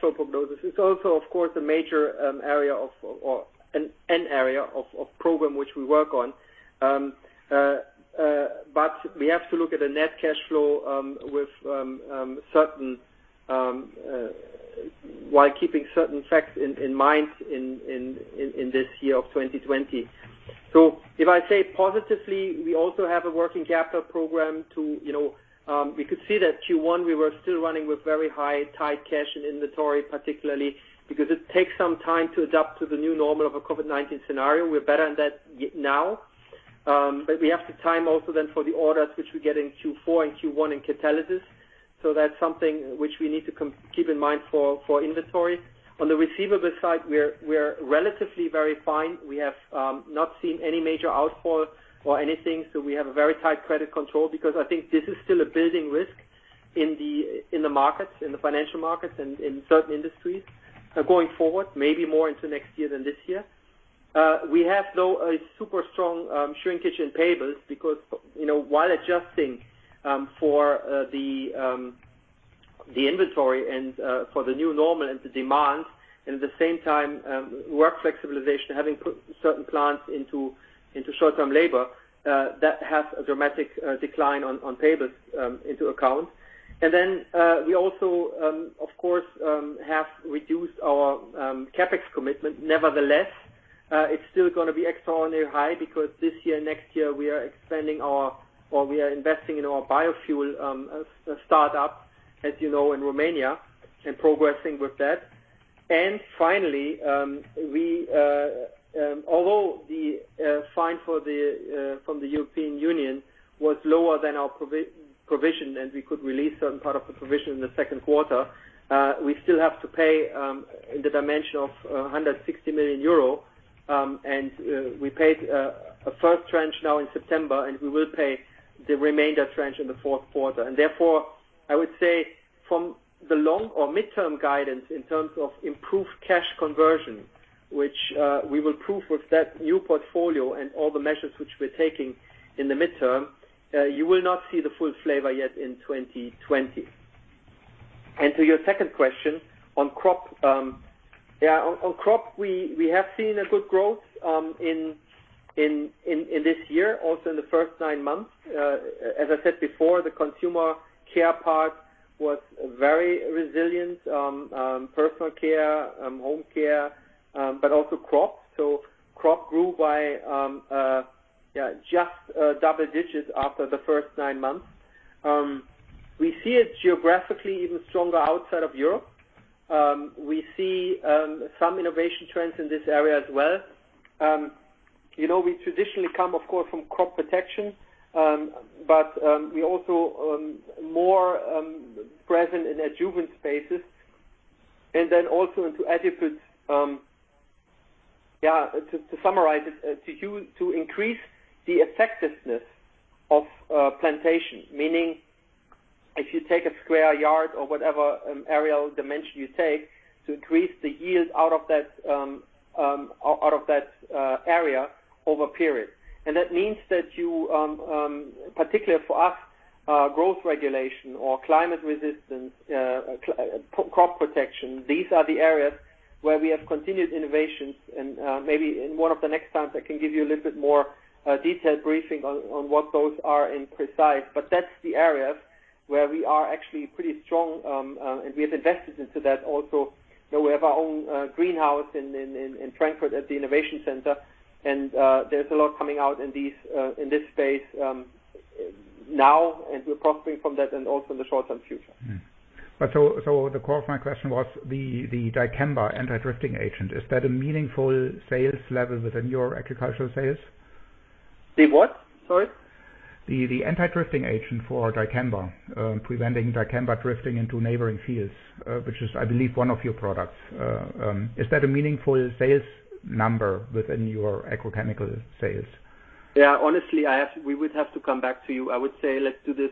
Top of those is also, of course, a major area of or an end area of program which we work on. We have to look at the net cash flow while keeping certain facts in mind in this year of 2020. If I say positively, we also have a working capital program. We could see that Q1 we were still running with very high tied cash and inventory, particularly because it takes some time to adapt to the new normal of a COVID-19 scenario. We're better in that now. We have the time also then for the orders which we get in Q4 and Q1 in Catalysis. That's something which we need to keep in mind for inventory. On the receivable side, we're relatively very fine. We have not seen any major outfall or anything, so we have a very tight credit control because I think this is still a building risk in the markets, in the financial markets and in certain industries going forward, maybe more into next year than this year. We have, though, a super strong shrinkage in payables because while adjusting for the inventory and for the new normal and the demands, and at the same time, work flexibilization, having put certain plants into short-term labor, that has a dramatic decline on payables into account. We also, of course, have reduced our CapEx commitment. Nevertheless, it's still going to be extraordinarily high because this year, next year, we are expanding our or we are investing in our biofuel startup, as you know, in Romania, and progressing with that. Finally, although the fine from the European Union was lower than our provision, and we could release certain part of the provision in the second quarter, we still have to pay in the dimension of 160 million euro. We paid a first tranche now in September, and we will pay the remainder tranche in the fourth quarter. Therefore, I would say from the long- or midterm guidance in terms of improved cash conversion, which we will prove with that new portfolio and all the measures which we're taking in the midterm, you will not see the full flavor yet in 2020. To your second question on Crop. On Crop, we have seen a good growth in this year, also in the first nine months. As I said before, the Consumer Care part was very resilient. Personal Care, Home Care, but also Crop. Crop grew by just double digits after the first nine months. We see it geographically even stronger outside of Europe. We see some innovation trends in this area as well. We traditionally come, of course, from crop protection, but we also more present in adjuvant spaces and then also into adjuvants. To summarize it, to increase the effectiveness of plantation, meaning if you take a square yard or whatever aerial dimension you take, to increase the yield out of that area over a period. That means that you, particularly for us, growth regulation or climate resistance, crop protection, these are the areas where we have continued innovations. Maybe in one of the next times, I can give you a little bit more detailed briefing on what those are in precise. That's the areas where we are actually pretty strong, and we have invested into that also. We have our own greenhouse in Frankfurt at the innovation center, and there's a lot coming out in this space now, and we're prospering from that and also in the short-term future. The core of my question was the dicamba anti-drifting agent. Is that a meaningful sales level within your agricultural sales? The what? Sorry. The anti-drifting agent for dicamba, preventing dicamba drifting into neighboring fields, which is, I believe, one of your products. Is that a meaningful sales number within your agrochemical sales? Yeah. Honestly, we would have to come back to you. I would say let's do this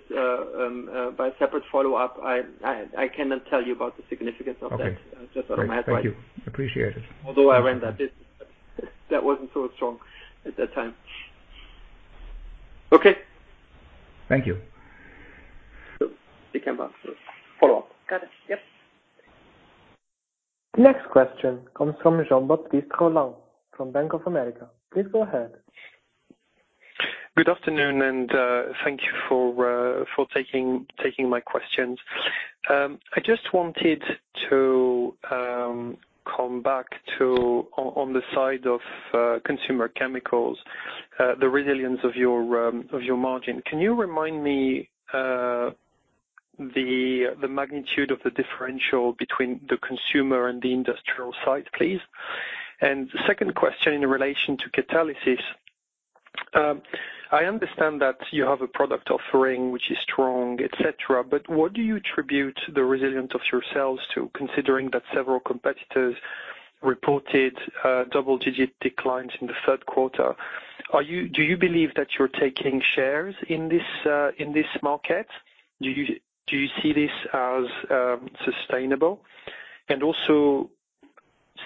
by a separate follow-up. I cannot tell you about the significance of that. Okay just on my side. Thank you. Appreciate it. Although I ran that business, but that wasn't so strong at that time. Okay. Thank you. Dicamba. Follow-up. Got it. Yep. Next question comes from Jean-Baptiste Rolland from Bank of America. Please go ahead. Good afternoon, and thank you for taking my questions. I just wanted to come back to, on the side of Consumer Care, the resilience of your margin. Can you remind me the magnitude of the differential between the consumer and the industrial side, please? Second question in relation to Catalysis. I understand that you have a product offering which is strong, et cetera, but what do you attribute the resilience of your sales to, considering that several competitors reported double-digit declines in the third quarter? Do you believe that you're taking shares in this market? Do you see this as sustainable? Also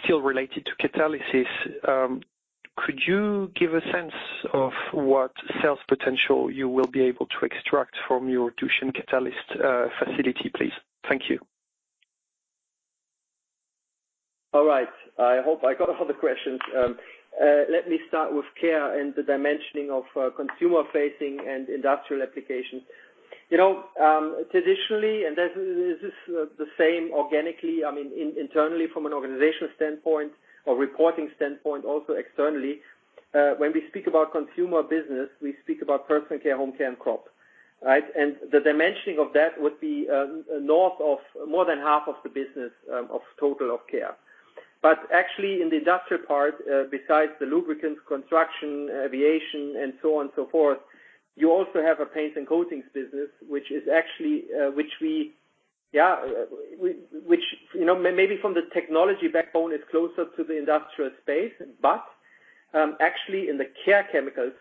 still related to Catalysis, could you give a sense of what sales potential you will be able to extract from your CATOFIN catalyst facility, please? Thank you. All right. I hope I got all the questions. Let me start with Care Chemicals and the dimensioning of consumer-facing and industrial application. Traditionally, this is the same organically, I mean, internally from an organizational standpoint or reporting standpoint, also externally, when we speak about consumer business, we speak about Personal Care, Home Care, and Crop. Right? The dimensioning of that would be north of more than half of the business of total of Care Chemicals. Actually in the industrial part, besides the Industrial Lubricants, Construction Chemicals, Aviation, and so on and so forth, you also have a paints and coatings business, which maybe from the technology backbone is closer to the industrial space. Actually in the Care Chemicals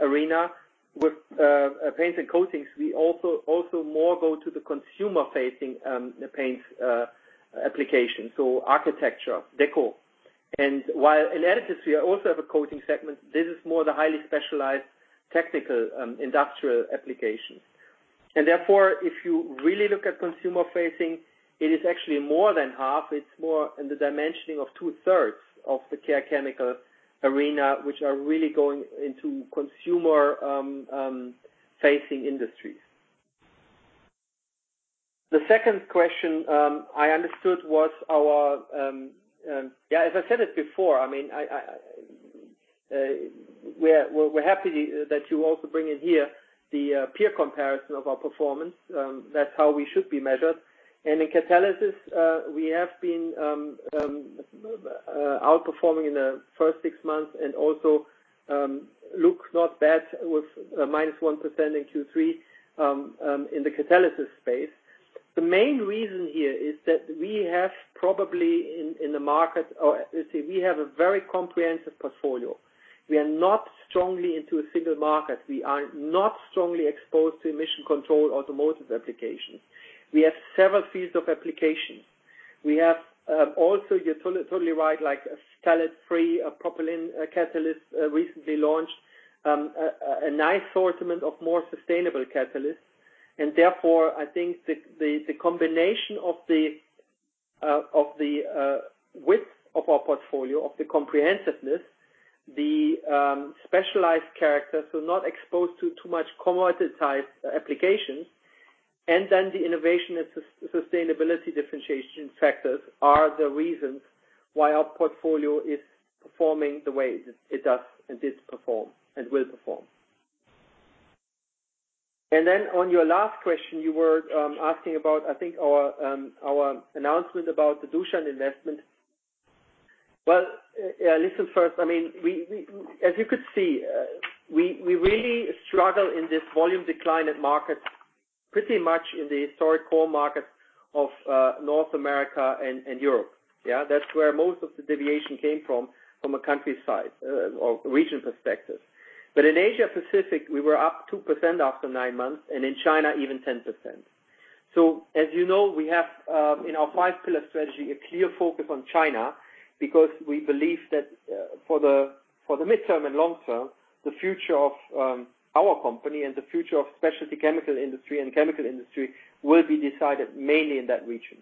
arena with paints and coatings, we also more go to the consumer-facing paints application. Architecture, decor. While in Additives, we also have a coating segment. This is more the highly specialized technical industrial applications. Therefore, if you really look at consumer-facing, it is actually more than half. It's more in the dimensioning of two-thirds of the Care Chemicals arena, which are really going into consumer-facing industries. The second question I understood was, as I said it before, we're happy that you also bring in here the peer comparison of our performance. That's how we should be measured. In Catalysis, we have been outperforming in the first six months and also looks not bad with -1% in Q3 in the Catalysis space. The main reason here is that we have a very comprehensive portfolio. We are not strongly into a single market. We are not strongly exposed to emission control automotive applications. We have several fields of application. We have also, you're totally right, a phthalate-free propylene catalyst recently launched. A nice assortment of more sustainable catalysts. Therefore, I think the combination of the width of our portfolio, of the comprehensiveness, the specialized characters who are not exposed to too much commodity-type applications, and then the innovation and sustainability differentiation factors are the reasons why our portfolio is performing the way it does and did perform and will perform. On your last question, you were asking about, I think our announcement about the Dushan investment. Well, listen first. As you could see, we really struggle in this volume decline at markets, pretty much in the historic core markets of North America and Europe. Yeah? That's where most of the deviation came from a country size or region perspective. In Asia Pacific, we were up 2% after nine months, and in China, even 10%. As you know, we have, in our 5-pillar strategy, a clear focus on China, because we believe that for the midterm and long term, the future of our company and the future of specialty chemical industry and chemical industry will be decided mainly in that region.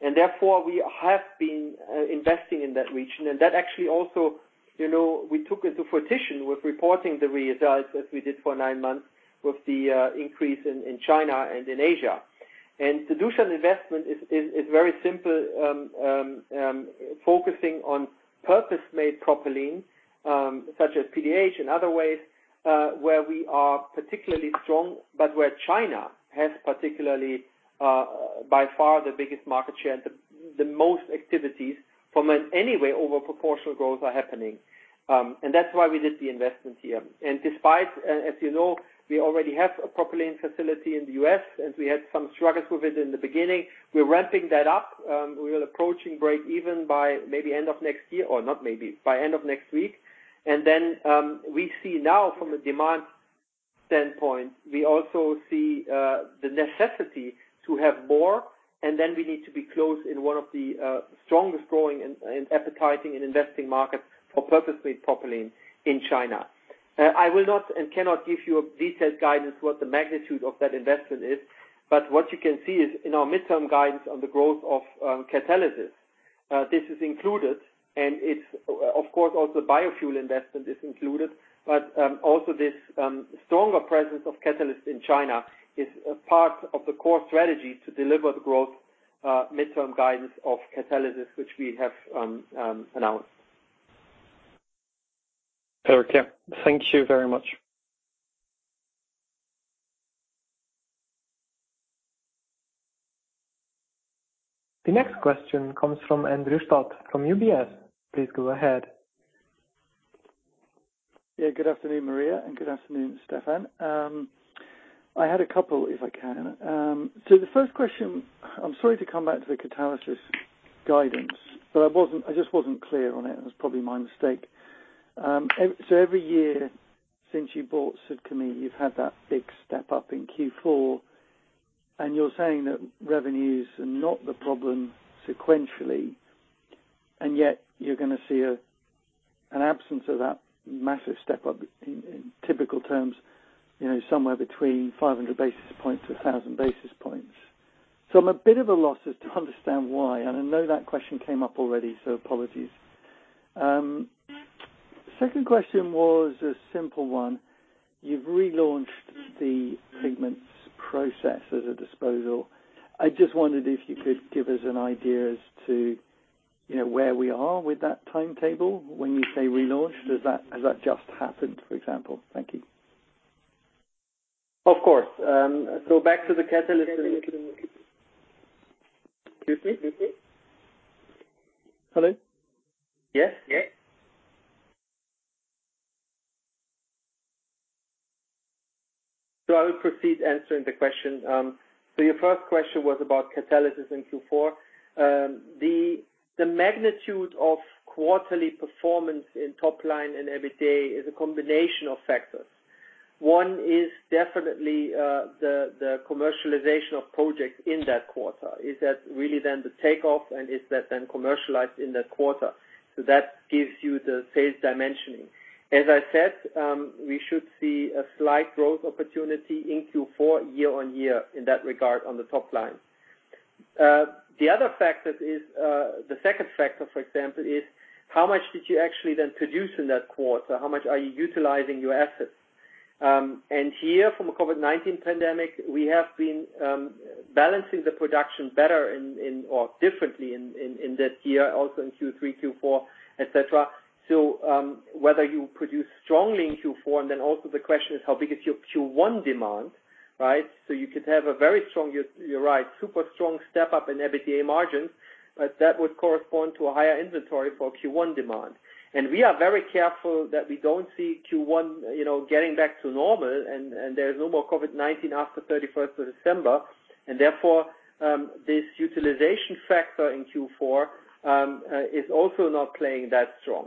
Therefore, we have been investing in that region. That actually also, we took it to fruition with reporting the results as we did for nine months with the increase in China and in Asia. The Dushan investment is very simple, focusing on purpose-made propylene, such as PDH and other ways, where we are particularly strong, but where China has particularly, by far, the biggest market share and the most activities from an anyway over proportional growth are happening. That's why we did the investments here. Despite, as you know, we already have a propylene facility in the U.S., and we had some struggles with it in the beginning. We're ramping that up. We're approaching break even by maybe end of next year, or not maybe, by end of next week. Then, we see now from a demand standpoint, we also see the necessity to have more, and then we need to be close in one of the strongest growing and appetizing and investing markets for purpose-made propylene in China. I will not and cannot give you a detailed guidance what the magnitude of that investment is. What you can see is in our midterm guidance on the growth of Catalysis, this is included, and it's, of course, also biofuel investment is included. Also this stronger presence of Catalysis in China is a part of the core strategy to deliver the growth midterm guidance of Catalysis, which we have announced. Okay. Thank you very much. The next question comes from Andrew Stott from UBS. Please go ahead. Good afternoon, Maria, and good afternoon, Stephan. I had a couple, if I can. The first question, I'm sorry to come back to the Catalysis guidance, but I just wasn't clear on it, and it's probably my mistake. Every year since you bought Süd-Chemie, you've had that big step-up in Q4, and you're saying that revenues are not the problem sequentially, and yet you're going to see an absence of that massive step-up in typical terms, somewhere between 500 basis points-1,000 basis points. I'm a bit at a loss as to understand why, and I know that question came up already, so apologies. Second question was a simple one. You've relaunched the Pigments process as a disposal. I just wondered if you could give us an idea as to where we are with that timetable when you say relaunch, has that just happened, for example? Thank you. Of course. Back to the Catalysis. Excuse me? Hello? Yes. I will proceed answering the question. Your first question was about Catalysis in Q4. The magnitude of quarterly performance in top line and EBITDA is a combination of factors. One is definitely the commercialization of projects in that quarter. Is that really then the takeoff, and is that then commercialized in that quarter? That gives you the sales dimensioning. As I said, we should see a slight growth opportunity in Q4 year-on-year in that regard on the top line. The second factor, for example, is how much did you actually then produce in that quarter? How much are you utilizing your assets? Here, from a COVID-19 pandemic, we have been balancing the production better or differently in that year, also in Q3, Q4, et cetera. Whether you produce strongly in Q4, the question is how big is your Q1 demand, right? You could have a very strong, you're right, super strong step-up in EBITDA margins, but that would correspond to a higher inventory for Q1 demand. We are very careful that we don't see Q1 getting back to normal, there's no more COVID-19 after 31st of December. Therefore, this utilization factor in Q4 is also not playing that strong.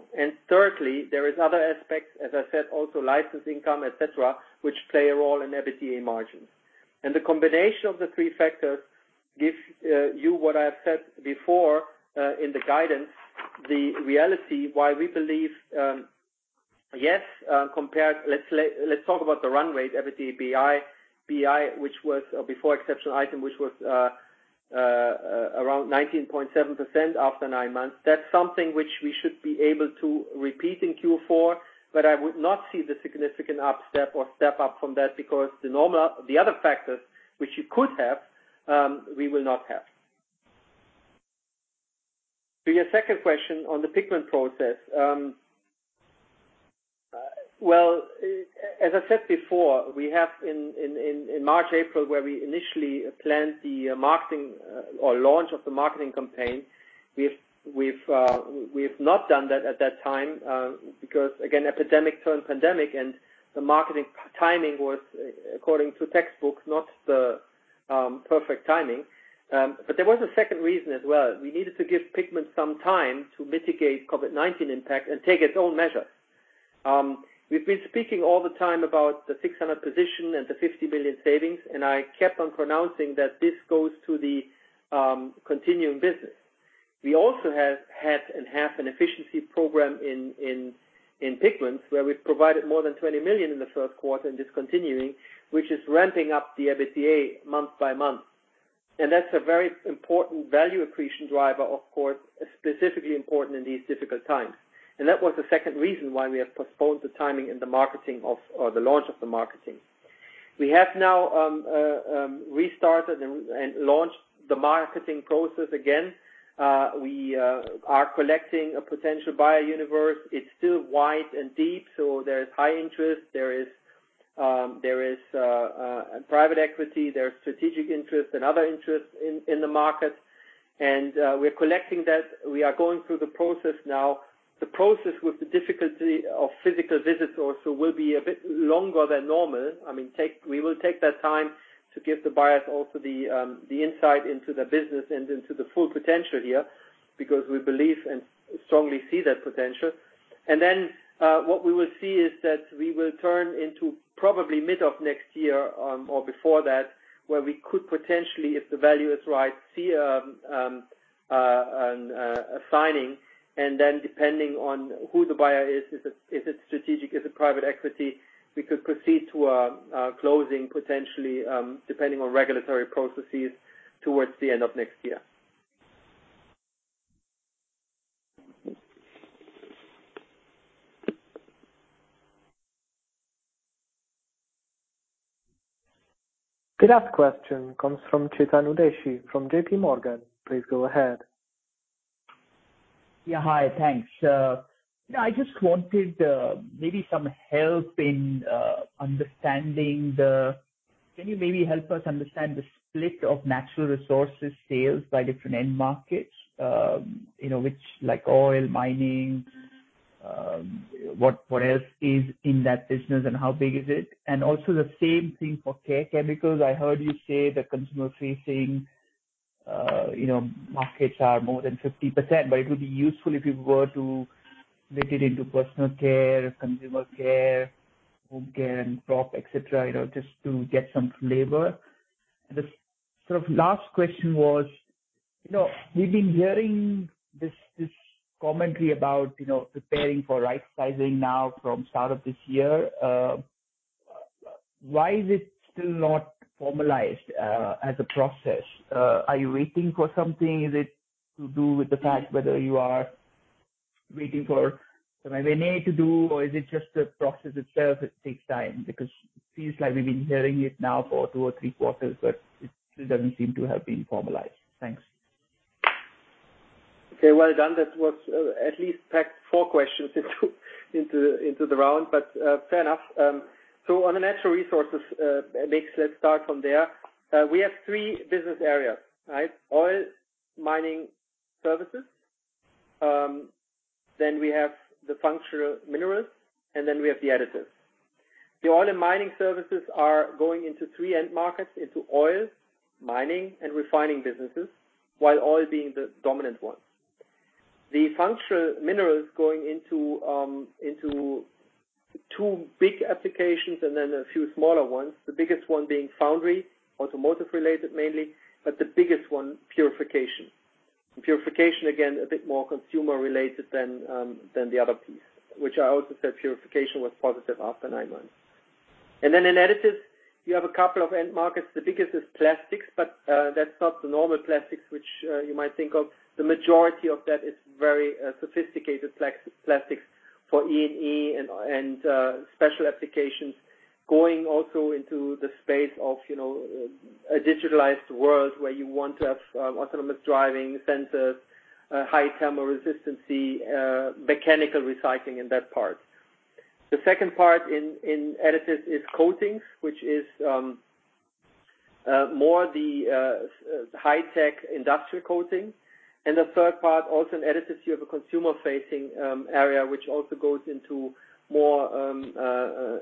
Thirdly, there is other aspects, as I said, also license income, et cetera, which play a role in EBITDA margins. The combination of the three factors gives you what I have said before, in the guidance, the reality why we believe. Yes. Let's talk about the run rate, EBITDA BI, which was before exceptional item, which was around 19.7% after nine months. That's something which we should be able to repeat in Q4, but I would not see the significant up step or step-up from that because the other factors which you could have, we will not have. To your second question on the Pigments process. Well, as I said before, we have in March, April, where we initially planned the marketing or launch of the marketing campaign. We've not done that at that time, because again, epidemic turned pandemic and the marketing timing was according to textbooks, not the perfect timing. There was a second reason as well. We needed to give Pigments some time to mitigate COVID-19 impact and take its own measure. We've been speaking all the time about the 600 position and the 50 million savings, and I kept on pronouncing that this goes to the continuing business. We also have had and have an efficiency program in Pigments, where we've provided more than 20 million in the first quarter and discontinuing, which is ramping up the EBITDA month-by-month. That's a very important value accretion driver, of course specifically important in these difficult times. That was the second reason why we have postponed the timing in the marketing or the launch of the marketing. We have now restarted and launched the marketing process again. We are collecting a potential buyer universe. It's still wide and deep, so there is high interest. There is private equity, there is strategic interest and other interest in the market. We're collecting that. We are going through the process now. The process with the difficulty of physical visits also will be a bit longer than normal. We will take that time to give the buyers also the insight into the business and into the full potential here, because we believe and strongly see that potential. What we will see is that we will turn into probably mid of next year or before that, where we could potentially, if the value is right, see a signing, and then depending on who the buyer is it strategic? Is it private equity? We could proceed to a closing potentially, depending on regulatory processes towards the end of next year. The last question comes from Chetan Udeshi from JPMorgan. Please go ahead. Yeah. Hi, thanks. I just wanted maybe some help in understanding. Can you maybe help us understand the split of Natural Resources sales by different end markets, which like oil, mining, what else is in that business and how big is it? Also the same thing for Care Chemicals. I heard you say the consumer-facing markets are more than 50%, but it would be useful if you were to split it into Personal Care, Consumer Care, Home Care and Crop, et cetera, just to get some flavor. The last question was, we've been hearing this commentary about preparing for right sizing now from start of this year. Why is it still not formalized as a process? Are you waiting for something? Is it to do with the fact whether you are waiting for some M&A to do, or is it just the process itself that takes time? It seems like we've been hearing it now for two or three quarters, but it still doesn't seem to have been formalized. Thanks. Okay. Well done. That was at least packed four questions into the round, fair enough. On the Natural Resources mix, let's start from there. We have three business areas. Oil and Mining Services, then we have the Functional Minerals, and then we have the Additives. The Oil and Mining Services are going into three end markets, into oil, mining, and refining businesses, while oil being the dominant one. The Functional Minerals going into two big applications and then a few smaller ones, the biggest one being foundry, automotive related mainly, the biggest one, purification. Purification, again, a bit more consumer-related than the other piece, which I also said purification was positive after nine months. In Additives, you have a couple of end markets. The biggest is plastics, that's not the normal plastics which you might think of. The majority of that is very sophisticated plastics for E&E and special applications going also into the space of a digitalized world where you want to have autonomous driving, sensors, high thermal resistance, mechanical recycling and that part. The second part in Additives is coatings, which is more the high-tech industrial coating. The third part, also in Additives, you have a consumer-facing area, which also goes into more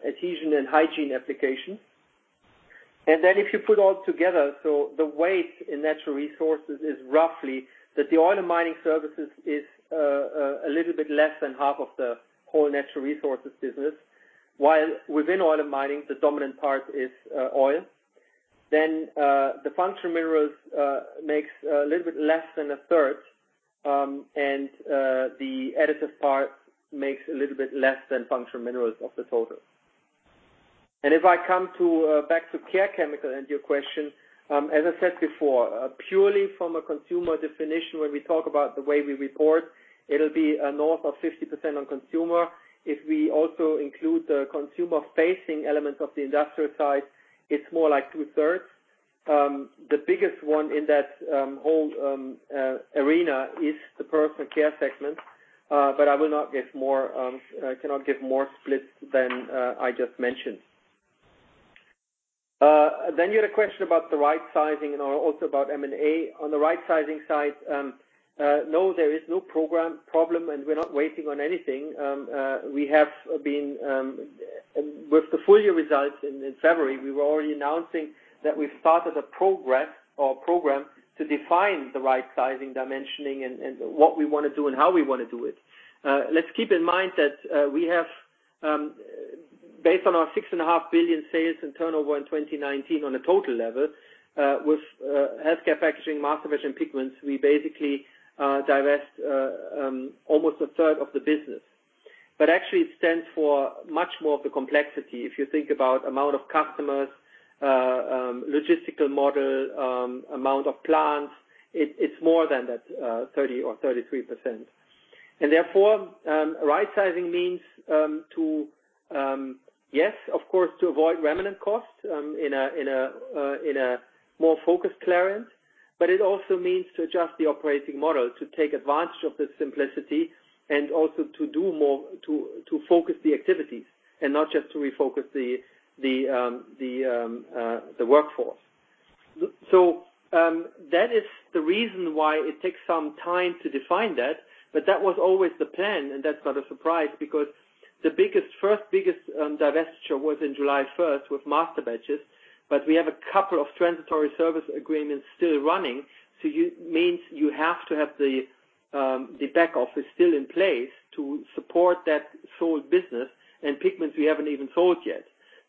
adhesion and hygiene application. If you put all together, the weight in Natural Resources is roughly that the Oil and Mining Services is a little bit less than half of the whole Natural Resources business. While within Oil and Mining, the dominant part is oil. The Functional Minerals makes a little bit less than a third, and the Additives part makes a little bit less than Functional Minerals of the total. If I come back to Care Chemicals and your question, as I said before, purely from a consumer definition when we talk about the way we report, it'll be north of 50% on consumer. If we also include the consumer-facing element of the industrial side, it's more like two-thirds. The biggest one in that whole arena is the Personal Care segment. I cannot give more splits than I just mentioned. You had a question about the right sizing and also about M&A. On the right sizing side, no, there is no problem, and we're not waiting on anything. With the full year results in February, we were already announcing that we started a progress or program to define the right sizing dimensioning and what we want to do and how we want to do it. Let's keep in mind that we have, based on our 6.5 billion sales in turnover in 2019 on a total level, with Healthcare Packaging, Masterbatch, and Pigments, we basically divest almost a third of the business. Actually it stands for much more of the complexity. If you think about amount of customers, logistical model, amount of plants, it's more than that 30% or 33%. Therefore, right sizing means, yes, of course, to avoid remnant costs in a more focused Clariant. It also means to adjust the operating model to take advantage of the simplicity and also to do more to focus the activities and not just to refocus the workforce. That is the reason why it takes some time to define that. That was always the plan, and that's not a surprise because the first biggest divestiture was in July 1st with Masterbatches, but we have a couple of transitory service agreements still running. It means you have to have the back office still in place to support that sold business, and Pigments we haven't even sold yet.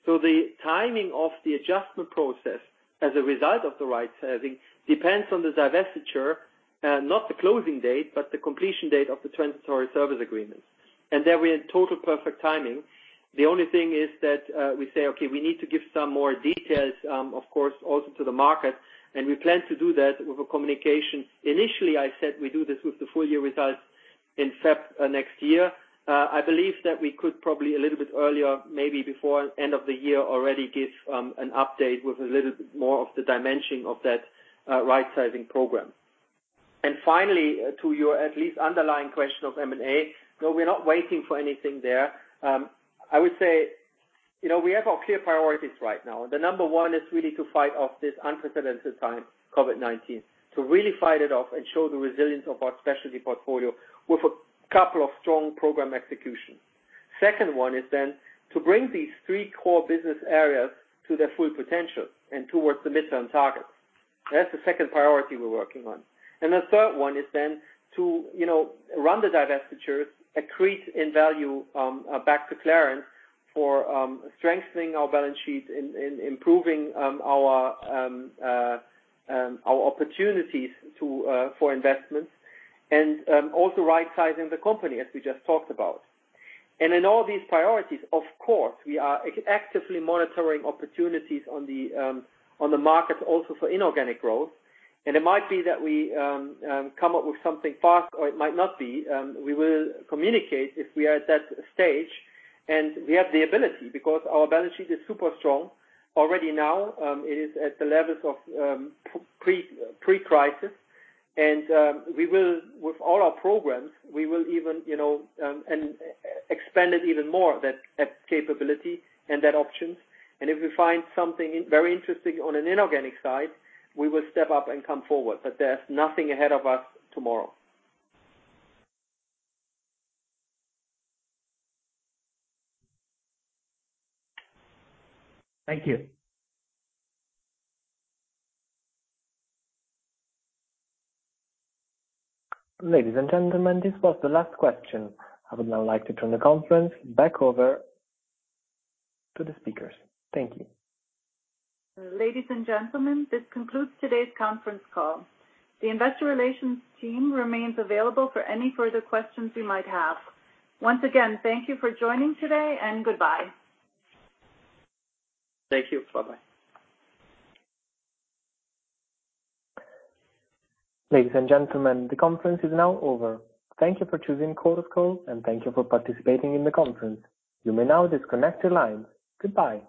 The timing of the adjustment process as a result of the right sizing depends on the divestiture, not the closing date, but the completion date of the transitory service agreement. There we had total perfect timing. The only thing is that we say, okay, we need to give some more details, of course, also to the market, and we plan to do that with a communication. Initially, I said we do this with the full year results in February next year. I believe that we could probably a little bit earlier, maybe before end of the year already give an update with a little bit more of the dimensioning of that right sizing program. Finally, to your at least underlying question of M&A, no, we're not waiting for anything there. I would say we have our clear priorities right now, and the number one is really to fight off this unprecedented time, COVID-19, to really fight it off and show the resilience of our specialty portfolio with a couple of strong program execution. Second one is then to bring these three core business areas to their full potential and towards the midterm target. That's the second priority we're working on. The third one is then to run the divestitures, accrete in value back to Clariant for strengthening our balance sheet, improving our opportunities for investments, and also right sizing the company as we just talked about. In all these priorities, of course, we are actively monitoring opportunities on the market also for inorganic growth. It might be that we come up with something fast or it might not be. We will communicate if we are at that stage, and we have the ability because our balance sheet is super strong. Already now, it is at the levels of pre-crisis. With all our programs, we will expand it even more, that capability and that option. If we find something very interesting on an inorganic side, we will step up and come forward. There's nothing ahead of us tomorrow. Thank you. Ladies and gentlemen, this was the last question. I would now like to turn the conference back over to the speakers. Thank you. Ladies and gentlemen, this concludes today's conference call. The investor relations team remains available for any further questions you might have. Once again, thank you for joining today and goodbye. Thank you. Bye-bye. Ladies and gentlemen, the conference is now over. Thank you for choosing Chorus Call, and thank you for participating in the conference. You may now disconnect your line. Goodbye.